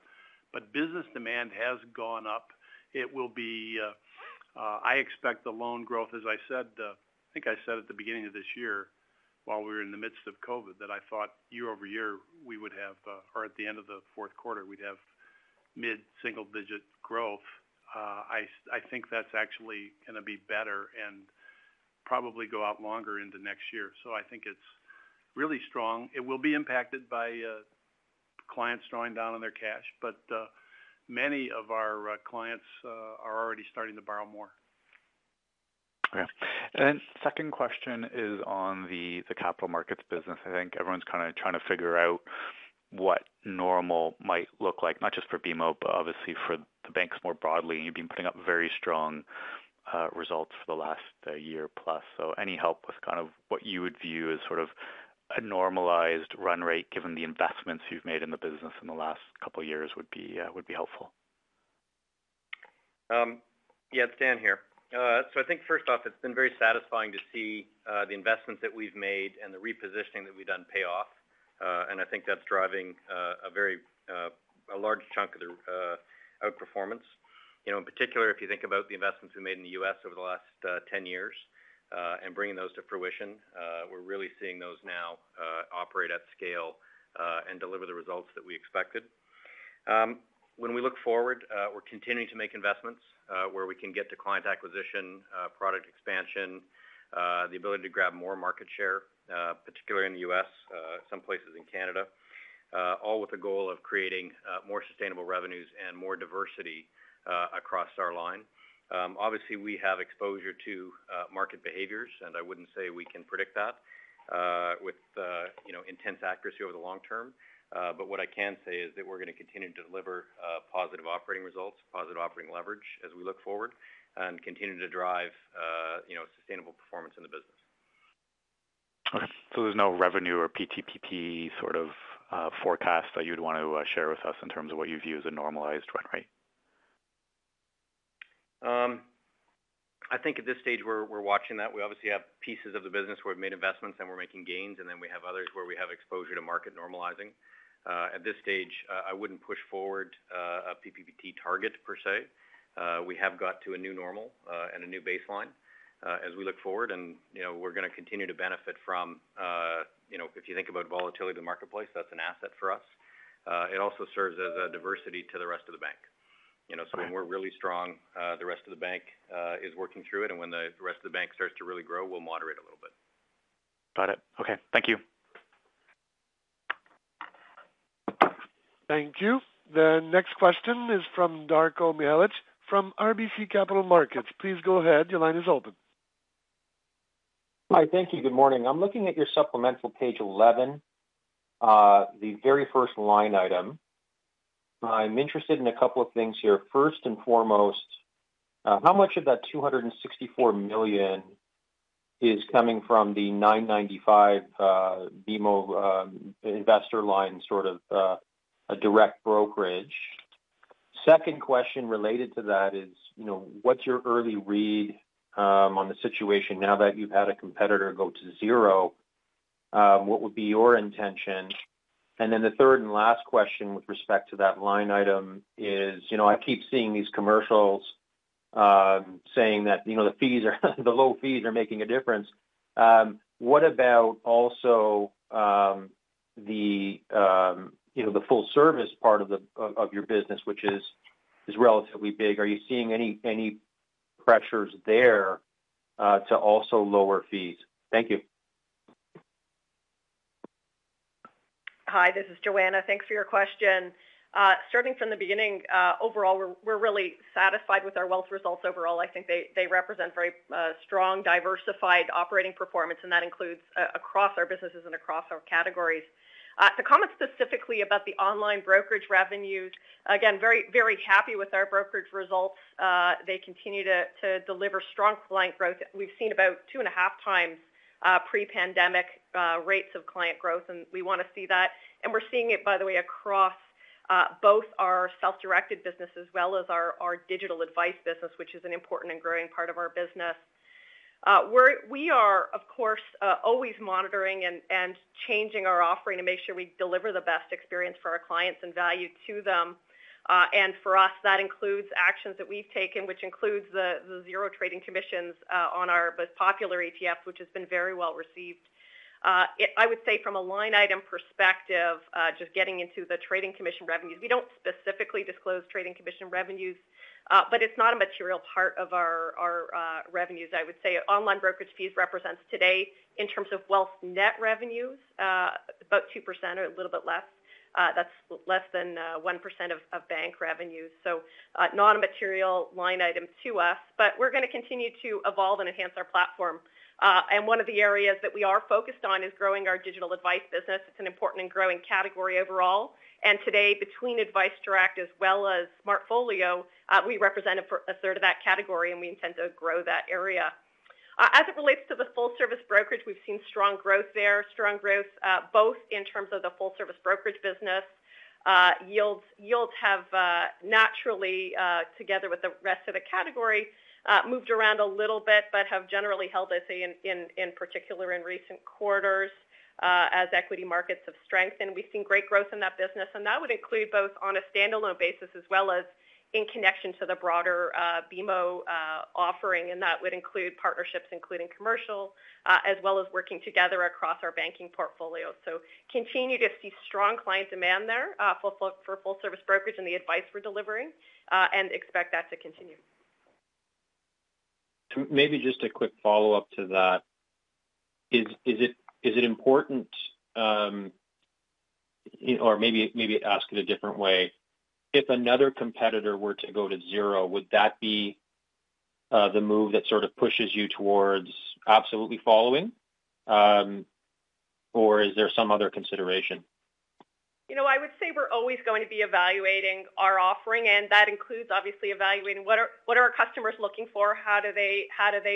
but business demand has gone up. I expect the loan growth, as I said, I think I said at the beginning of this year while we were in the midst of COVID, that I thought year-over-year or at the end of the fourth quarter, we'd have mid-single-digit growth. I think that's actually going to be better and probably go out longer into next year. I think it's really strong. It will be impacted by clients drawing down on their cash. Meny of our clients are already starting to borrow more. Okay. Second question is on the capital markets business. I think everyone's kind of trying to figure out what normal might look like, not just for BMO, but obviously for the banks more broadly. You've been putting up very strong results for the last year plus. Any help with kind of what you would view as sort of a normalized run rate given the investments you've made in the business in the last couple of years would be helpful. Yeah, it's Dan here. I think first off, it's been very satisfying to see the investments that we've made and the repositioning that we've done pay off. I think that's driving a large chunk of the outperformance. In particular, if you think about the investments we made in the U.S. over the last 10 years, and bringing those to fruition, we're really seeing those now operate at scale, and deliver the results that we expected. When we look forward, we're continuing to make investments, where we can get to client acquisition, product expansion, the ability to grab more market share, particularly in the U.S., some places in Canada, all with the goal of creating more sustainable revenues and more diversity across our line. Obviously, we have exposure to market behaviors, and I wouldn't say we can predict that with intense accuracy over the long term. What I can say is that we're going to continue to deliver positive operating results, positive operating leverage as we look forward and continue to drive sustainable performance in the business. Okay. There's no revenue or PPPT sort of forecast that you'd want to share with us in terms of what you view as a normalized run rate? I think at this stage we're watching that. We obviously have pieces of the business where we've made investments and we're making gains, and then we have others where we have exposure to market normalizing. At this stage, I wouldn't push forward a PPPT target per se. We have got to a new normal, and a new baseline as we look forward and we're going to continue to benefit from if you think about volatility in the marketplace, that's an asset for us. It also serves as a diversity to the rest of the bank. When we're really strong, the rest of the bank is working through it. When the rest of the bank starts to really grow, we'll moderate a little bit. Got it. Okay. Thank you. Thank you. The next question is from Darko Mihelic from RBC Capital Markets. Please go ahead. Your line is open. Hi. Thank you. Good morning. I'm looking at your supplemental page 11, the very first line item. I'm interested in a couple of things here. First and foremost, how much of that 264 million is coming from the 9.95 BMO InvestorLine sort of a direct brokerage? Second question related to that is what's your early read on the situation now that you've had a competitor go to zero? What would be your intention? The third and last question with respect to that line item is I keep seeing these commercials saying that the low fees are making a difference. What about also the full service part of your business, which is relatively big? Are you seeing any pressures there to also lower fees? Thank you. Hi, this is Joanna. Thanks for your question. Starting from the beginning, overall, we're really satisfied with our wealth results overall. I think they represent very strong diversified operating performance, and that includes across our businesses and across our categories. To comment specifically about the online brokerage revenues, again, very happy with our brokerage results. They continue to deliver strong client growth. We've seen about 2.5x pre-pandemic rates of client growth, and we want to see that. We're seeing it, by the way, across both our self-directed business as well as our digital advice business, which is an important and growing part of our business. We are, of course, always monitoring and changing our offering to make sure we deliver the best experience for our clients and value to them. For us, that includes actions that we've taken, which includes the zero trading commissions on our most popular ETF, which has been very well received. I would say from a line item perspective, just getting into the trading commission revenues, we don't specifically disclose trading commission revenues, but it's not a material part of our revenues. I would say online brokerage fees represents today, in terms of wealth net revenues, about 2% or a little bit less. That's less than 1% of bank revenues. Not a material line item to us, but we're going to continue to evolve and enhance our platform. One of the areas that we are focused on is growing our digital advice business. It's an important and growing category overall. Today, between adviceDirect as well as SmartFolio, we represent a third of that category, and we intend to grow that area. As it relates to the full service brokerage, we've seen strong growth there, strong growth both in terms of the full service brokerage business. Yields have naturally, together with the rest of the category, moved around a little bit, but have generally held, I say in particular in recent quarters, as equity markets have strengthened. We've seen great growth in that business, and that would include both on a standalone basis as well as in connection to the broader BMO offering. That would include partnerships, including commercial, as well as working together across our banking portfolio. Continue to see strong client demand there for full service brokerage and the advice we're delivering, and expect that to continue. Maybe just a quick follow-up to that. Is it important, or maybe ask it a different way, if another competitor were to go to zero, would that be the move that sort of pushes you towards absolutely following? Is there some other consideration? I would say we're always going to be evaluating our offering. That includes obviously evaluating what are our customers looking for, how do they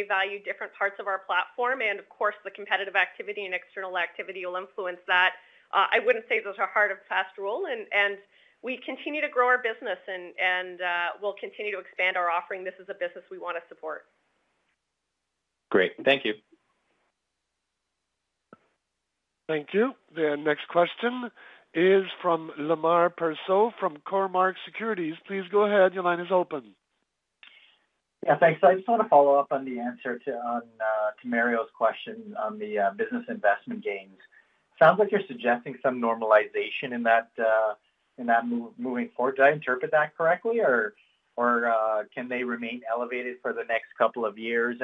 value different parts of our platform. Of course, the competitive activity and external activity will influence that. I wouldn't say those are hard and fast rule. We continue to grow our business. We'll continue to expand our offering. This is a business we want to support. Great. Thank you. Thank you. The next question is from Lemar Persaud from Cormark Securities. Yeah, thanks. I just want to follow up on the answer to Mario's question on the business investment gains. Sounds like you're suggesting some normalization moving forward. Did I interpret that correctly, or can they remain elevated for the next couple of years?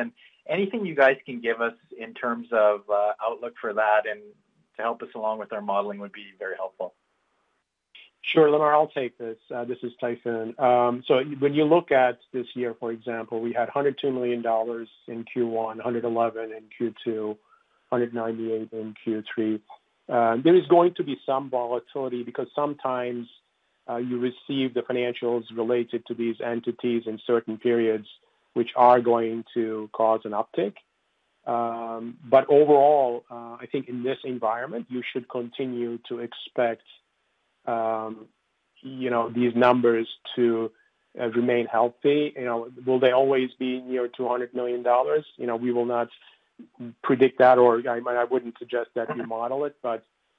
Anything you guys can give us in terms of outlook for that and to help us along with our modeling would be very helpful. Sure, Lemar, I'll take this. This is Tayfun. When you look at this year, for example, we had 102 million dollars in Q1, 111 million in Q2, 198 million in Q3. There is going to be some volatility because sometimes you receive the financials related to these entities in certain periods, which are going to cause an uptick. Overall, I think in this environment, you should continue to expect these numbers to remain healthy. Will they always be near 200 million dollars? We will not predict that, or I wouldn't suggest that you model it.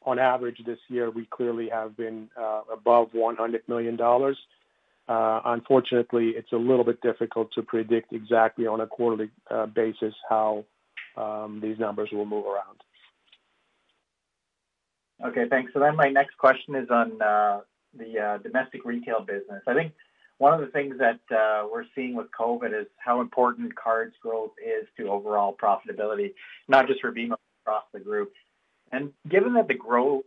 On average, this year, we clearly have been above 100 million dollars. Unfortunately, it's a little bit difficult to predict exactly on a quarterly basis how these numbers will move around. Okay, thanks. My next question is on the domestic retail business. I think one of the things that we're seeing with COVID is how important cards growth is to overall profitability, not just for BMO across the group. Given that the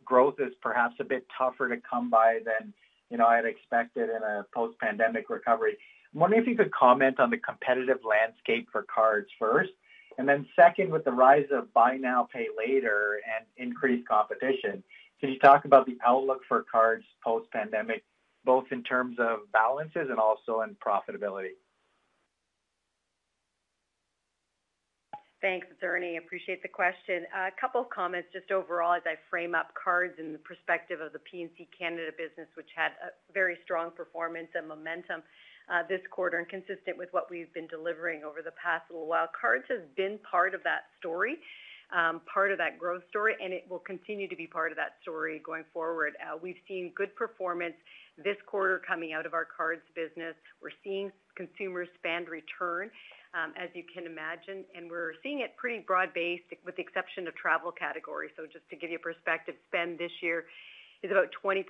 growth is perhaps a bit tougher to come by than I'd expected in a post-pandemic recovery, I'm wondering if you could comment on the competitive landscape for cards first, and then second, with the rise of buy now, pay later and increased competition. Can you talk about the outlook for cards post-pandemic, both in terms of balances and also in profitability? Thanks, it's Ernie. Appreciate the question. A couple of comments just overall as I frame up cards in the perspective of the P&C Canada business, which had a very strong performance and momentum this quarter and consistent with what we've been delivering over the past little while. Cards have been part of that story, part of that growth story. It will continue to be part of that story going forward. We've seen good performance this quarter coming out of our cards business. We're seeing consumer spend return, as you can imagine. We're seeing it pretty broad-based with the exception of travel category. Just to give you perspective, spend this year is about 20%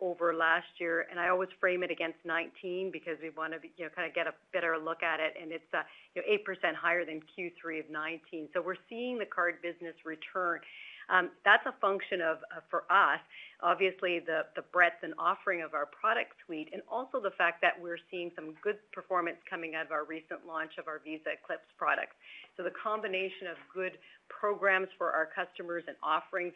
over last year. I always frame it against 2019 because we want to kind of get a better look at it. It's 8% higher than Q3 of 2019. We're seeing the card business return. That's a function of, for us, obviously the breadth and offering of our product suite, and also the fact that we're seeing some good performance coming out of our recent launch of our BMO eclipse Visa product. The combination of good programs for our customers and offerings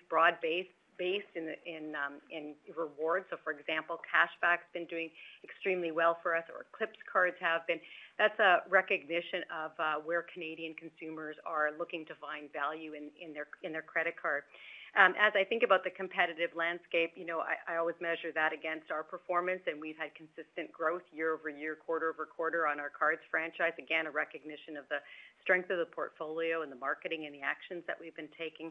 broad-based in rewards. For example, cashback's been doing extremely well for us, or BMO eclipse cards have been. That's a recognition of where Canadian consumers are looking to find value in their credit card. As I think about the competitive landscape, I always measure that against our performance, and we've had consistent growth year-over-year, quarter-over-quarter on our cards franchise. Again, a recognition of the strength of the portfolio and the marketing and the actions that we've been taking.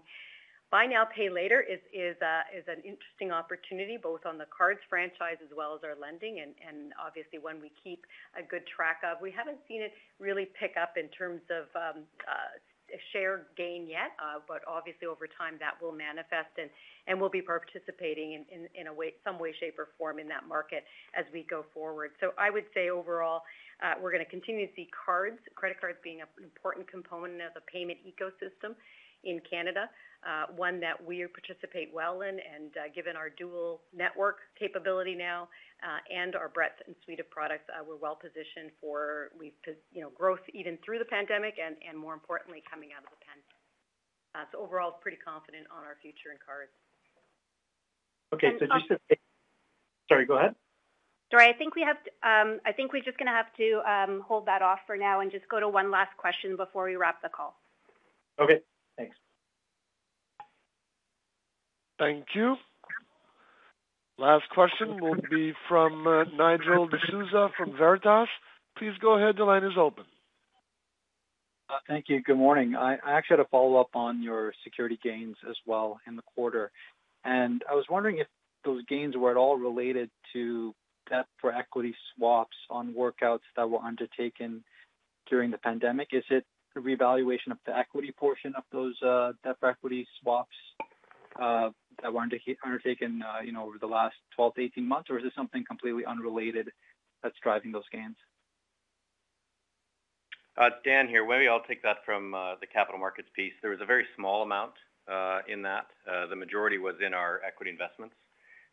Buy now, pay later is an interesting opportunity, both on the cards franchise as well as our lending, and obviously one we keep a good track of. We haven't seen it really pick up in terms of share gain yet. Obviously over time, that will manifest and we'll be participating in some way, shape, or form in that market as we go forward. I would say overall, we're going to continue to see cards, credit cards being an important component of the payment ecosystem in Canada, one that we participate well in. Given our dual network capability now, and our breadth and suite of products, we're well-positioned for growth even through the pandemic and more importantly, coming out of the pandemic. Overall, pretty confident on our future in cards. Okay. And- Sorry, go ahead. Sorry, I think we're just going to have to hold that off for now and just go to one last question before we wrap the call. Okay. Thanks. Thank you. Last question will be from Nigel D'Souza from Veritas. Please go ahead. The line is open. Thank you. Good morning. I actually had a follow-up on your security gains as well in the quarter. I was wondering if those gains were at all related to debt for equity swaps on workouts that were undertaken during the pandemic. Is it the revaluation of the equity portion of those debt for equity swaps that were undertaken over the last 12-18 months? Or is it something completely unrelated that's driving those gains? It's Dan here. Maybe I'll take that from the Capital Markets piece. There was a very small amount in that. The majority was in our equity investments.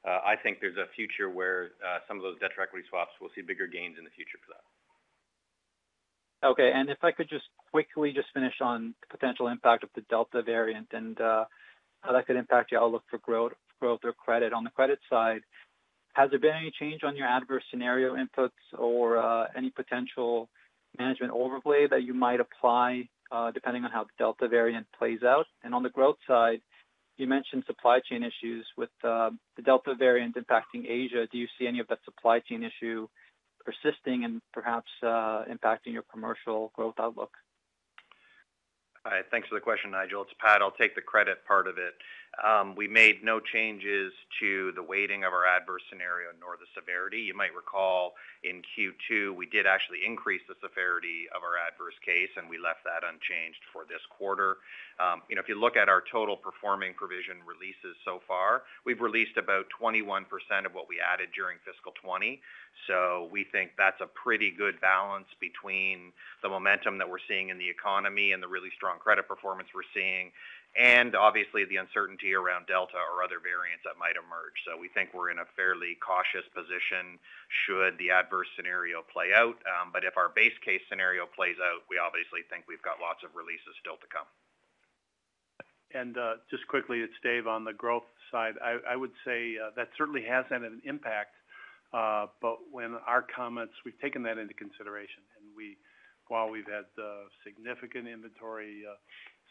I think there's a future where some of those debt for equity swaps will see bigger gains in the future for that. Okay, if I could just quickly just finish on the potential impact of the Delta variant and how that could impact your outlook for growth or credit on the credit side. Has there been any change on your adverse scenario inputs or any potential management overlay that you might apply depending on how the Delta variant plays out? On the growth side, you mentioned supply chain issues with the Delta variant impacting Asia. Do you see any of that supply chain issue persisting and perhaps impacting your commercial growth outlook? Thanks for the question, Nigel. It's Pat. I'll take the credit part of it. We made no changes to the weighting of our adverse scenario nor the severity. You might recall in Q2, we did actually increase the severity of our adverse case, and we left that unchanged for this quarter. If you look at our total performing provision releases so far, we've released about 21% of what we added during FY 2020. We think that's a pretty good balance between the momentum that we're seeing in the economy and the really strong credit performance we're seeing, and obviously the uncertainty around Delta variant or other variants that might emerge. We think we're in a fairly cautious position should the adverse scenario play out. If our base case scenario plays out, we obviously think we've got lots of releases still to come. Just quickly, it's Dave on the growth side. I would say that certainly has had an impact. When our comments, we've taken that into consideration. While we've had significant inventory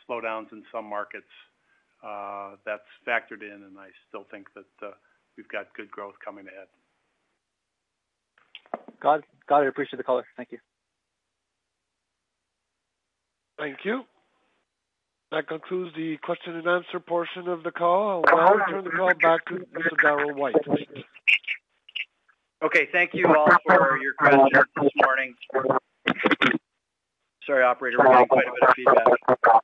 slowdowns in some markets, that's factored in and I still think that we've got good growth coming ahead. Got it. I appreciate the color. Thank you. Thank you. That concludes the question and answer portion of the call. I will now turn the call back to Darryl White. Okay, thank you all for your questions this morning. Sorry, operator, we're getting quite a bit of feedback.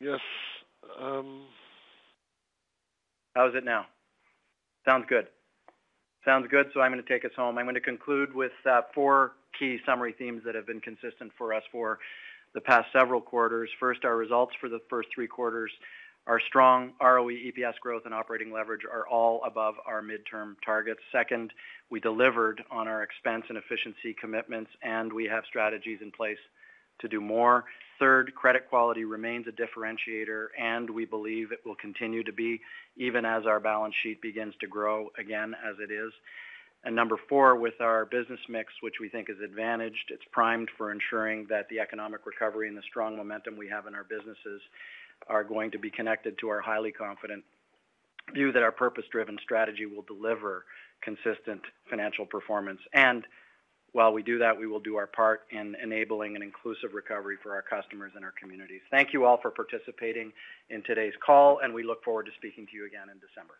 Yes. How is it now? Sounds good. Sounds good. I'm going to take us home. I'm going to conclude with four key summary themes that have been consistent for us for the past several quarters. First, our results for the first three quarters are strong. ROE, EPS growth, and operating leverage are all above our midterm targets. Second, we delivered on our expense and efficiency commitments. We have strategies in place to do more. Third, credit quality remains a differentiator. We believe it will continue to be, even as our balance sheet begins to grow again as it is. Number four, with our business mix, which we think is advantaged, it's primed for ensuring that the economic recovery and the strong momentum we have in our businesses are going to be connected to our highly confident view that our purpose-driven strategy will deliver consistent financial performance. While we do that, we will do our part in enabling an inclusive recovery for our customers and our communities. Thank you all for participating in today's call, and we look forward to speaking to you again in December.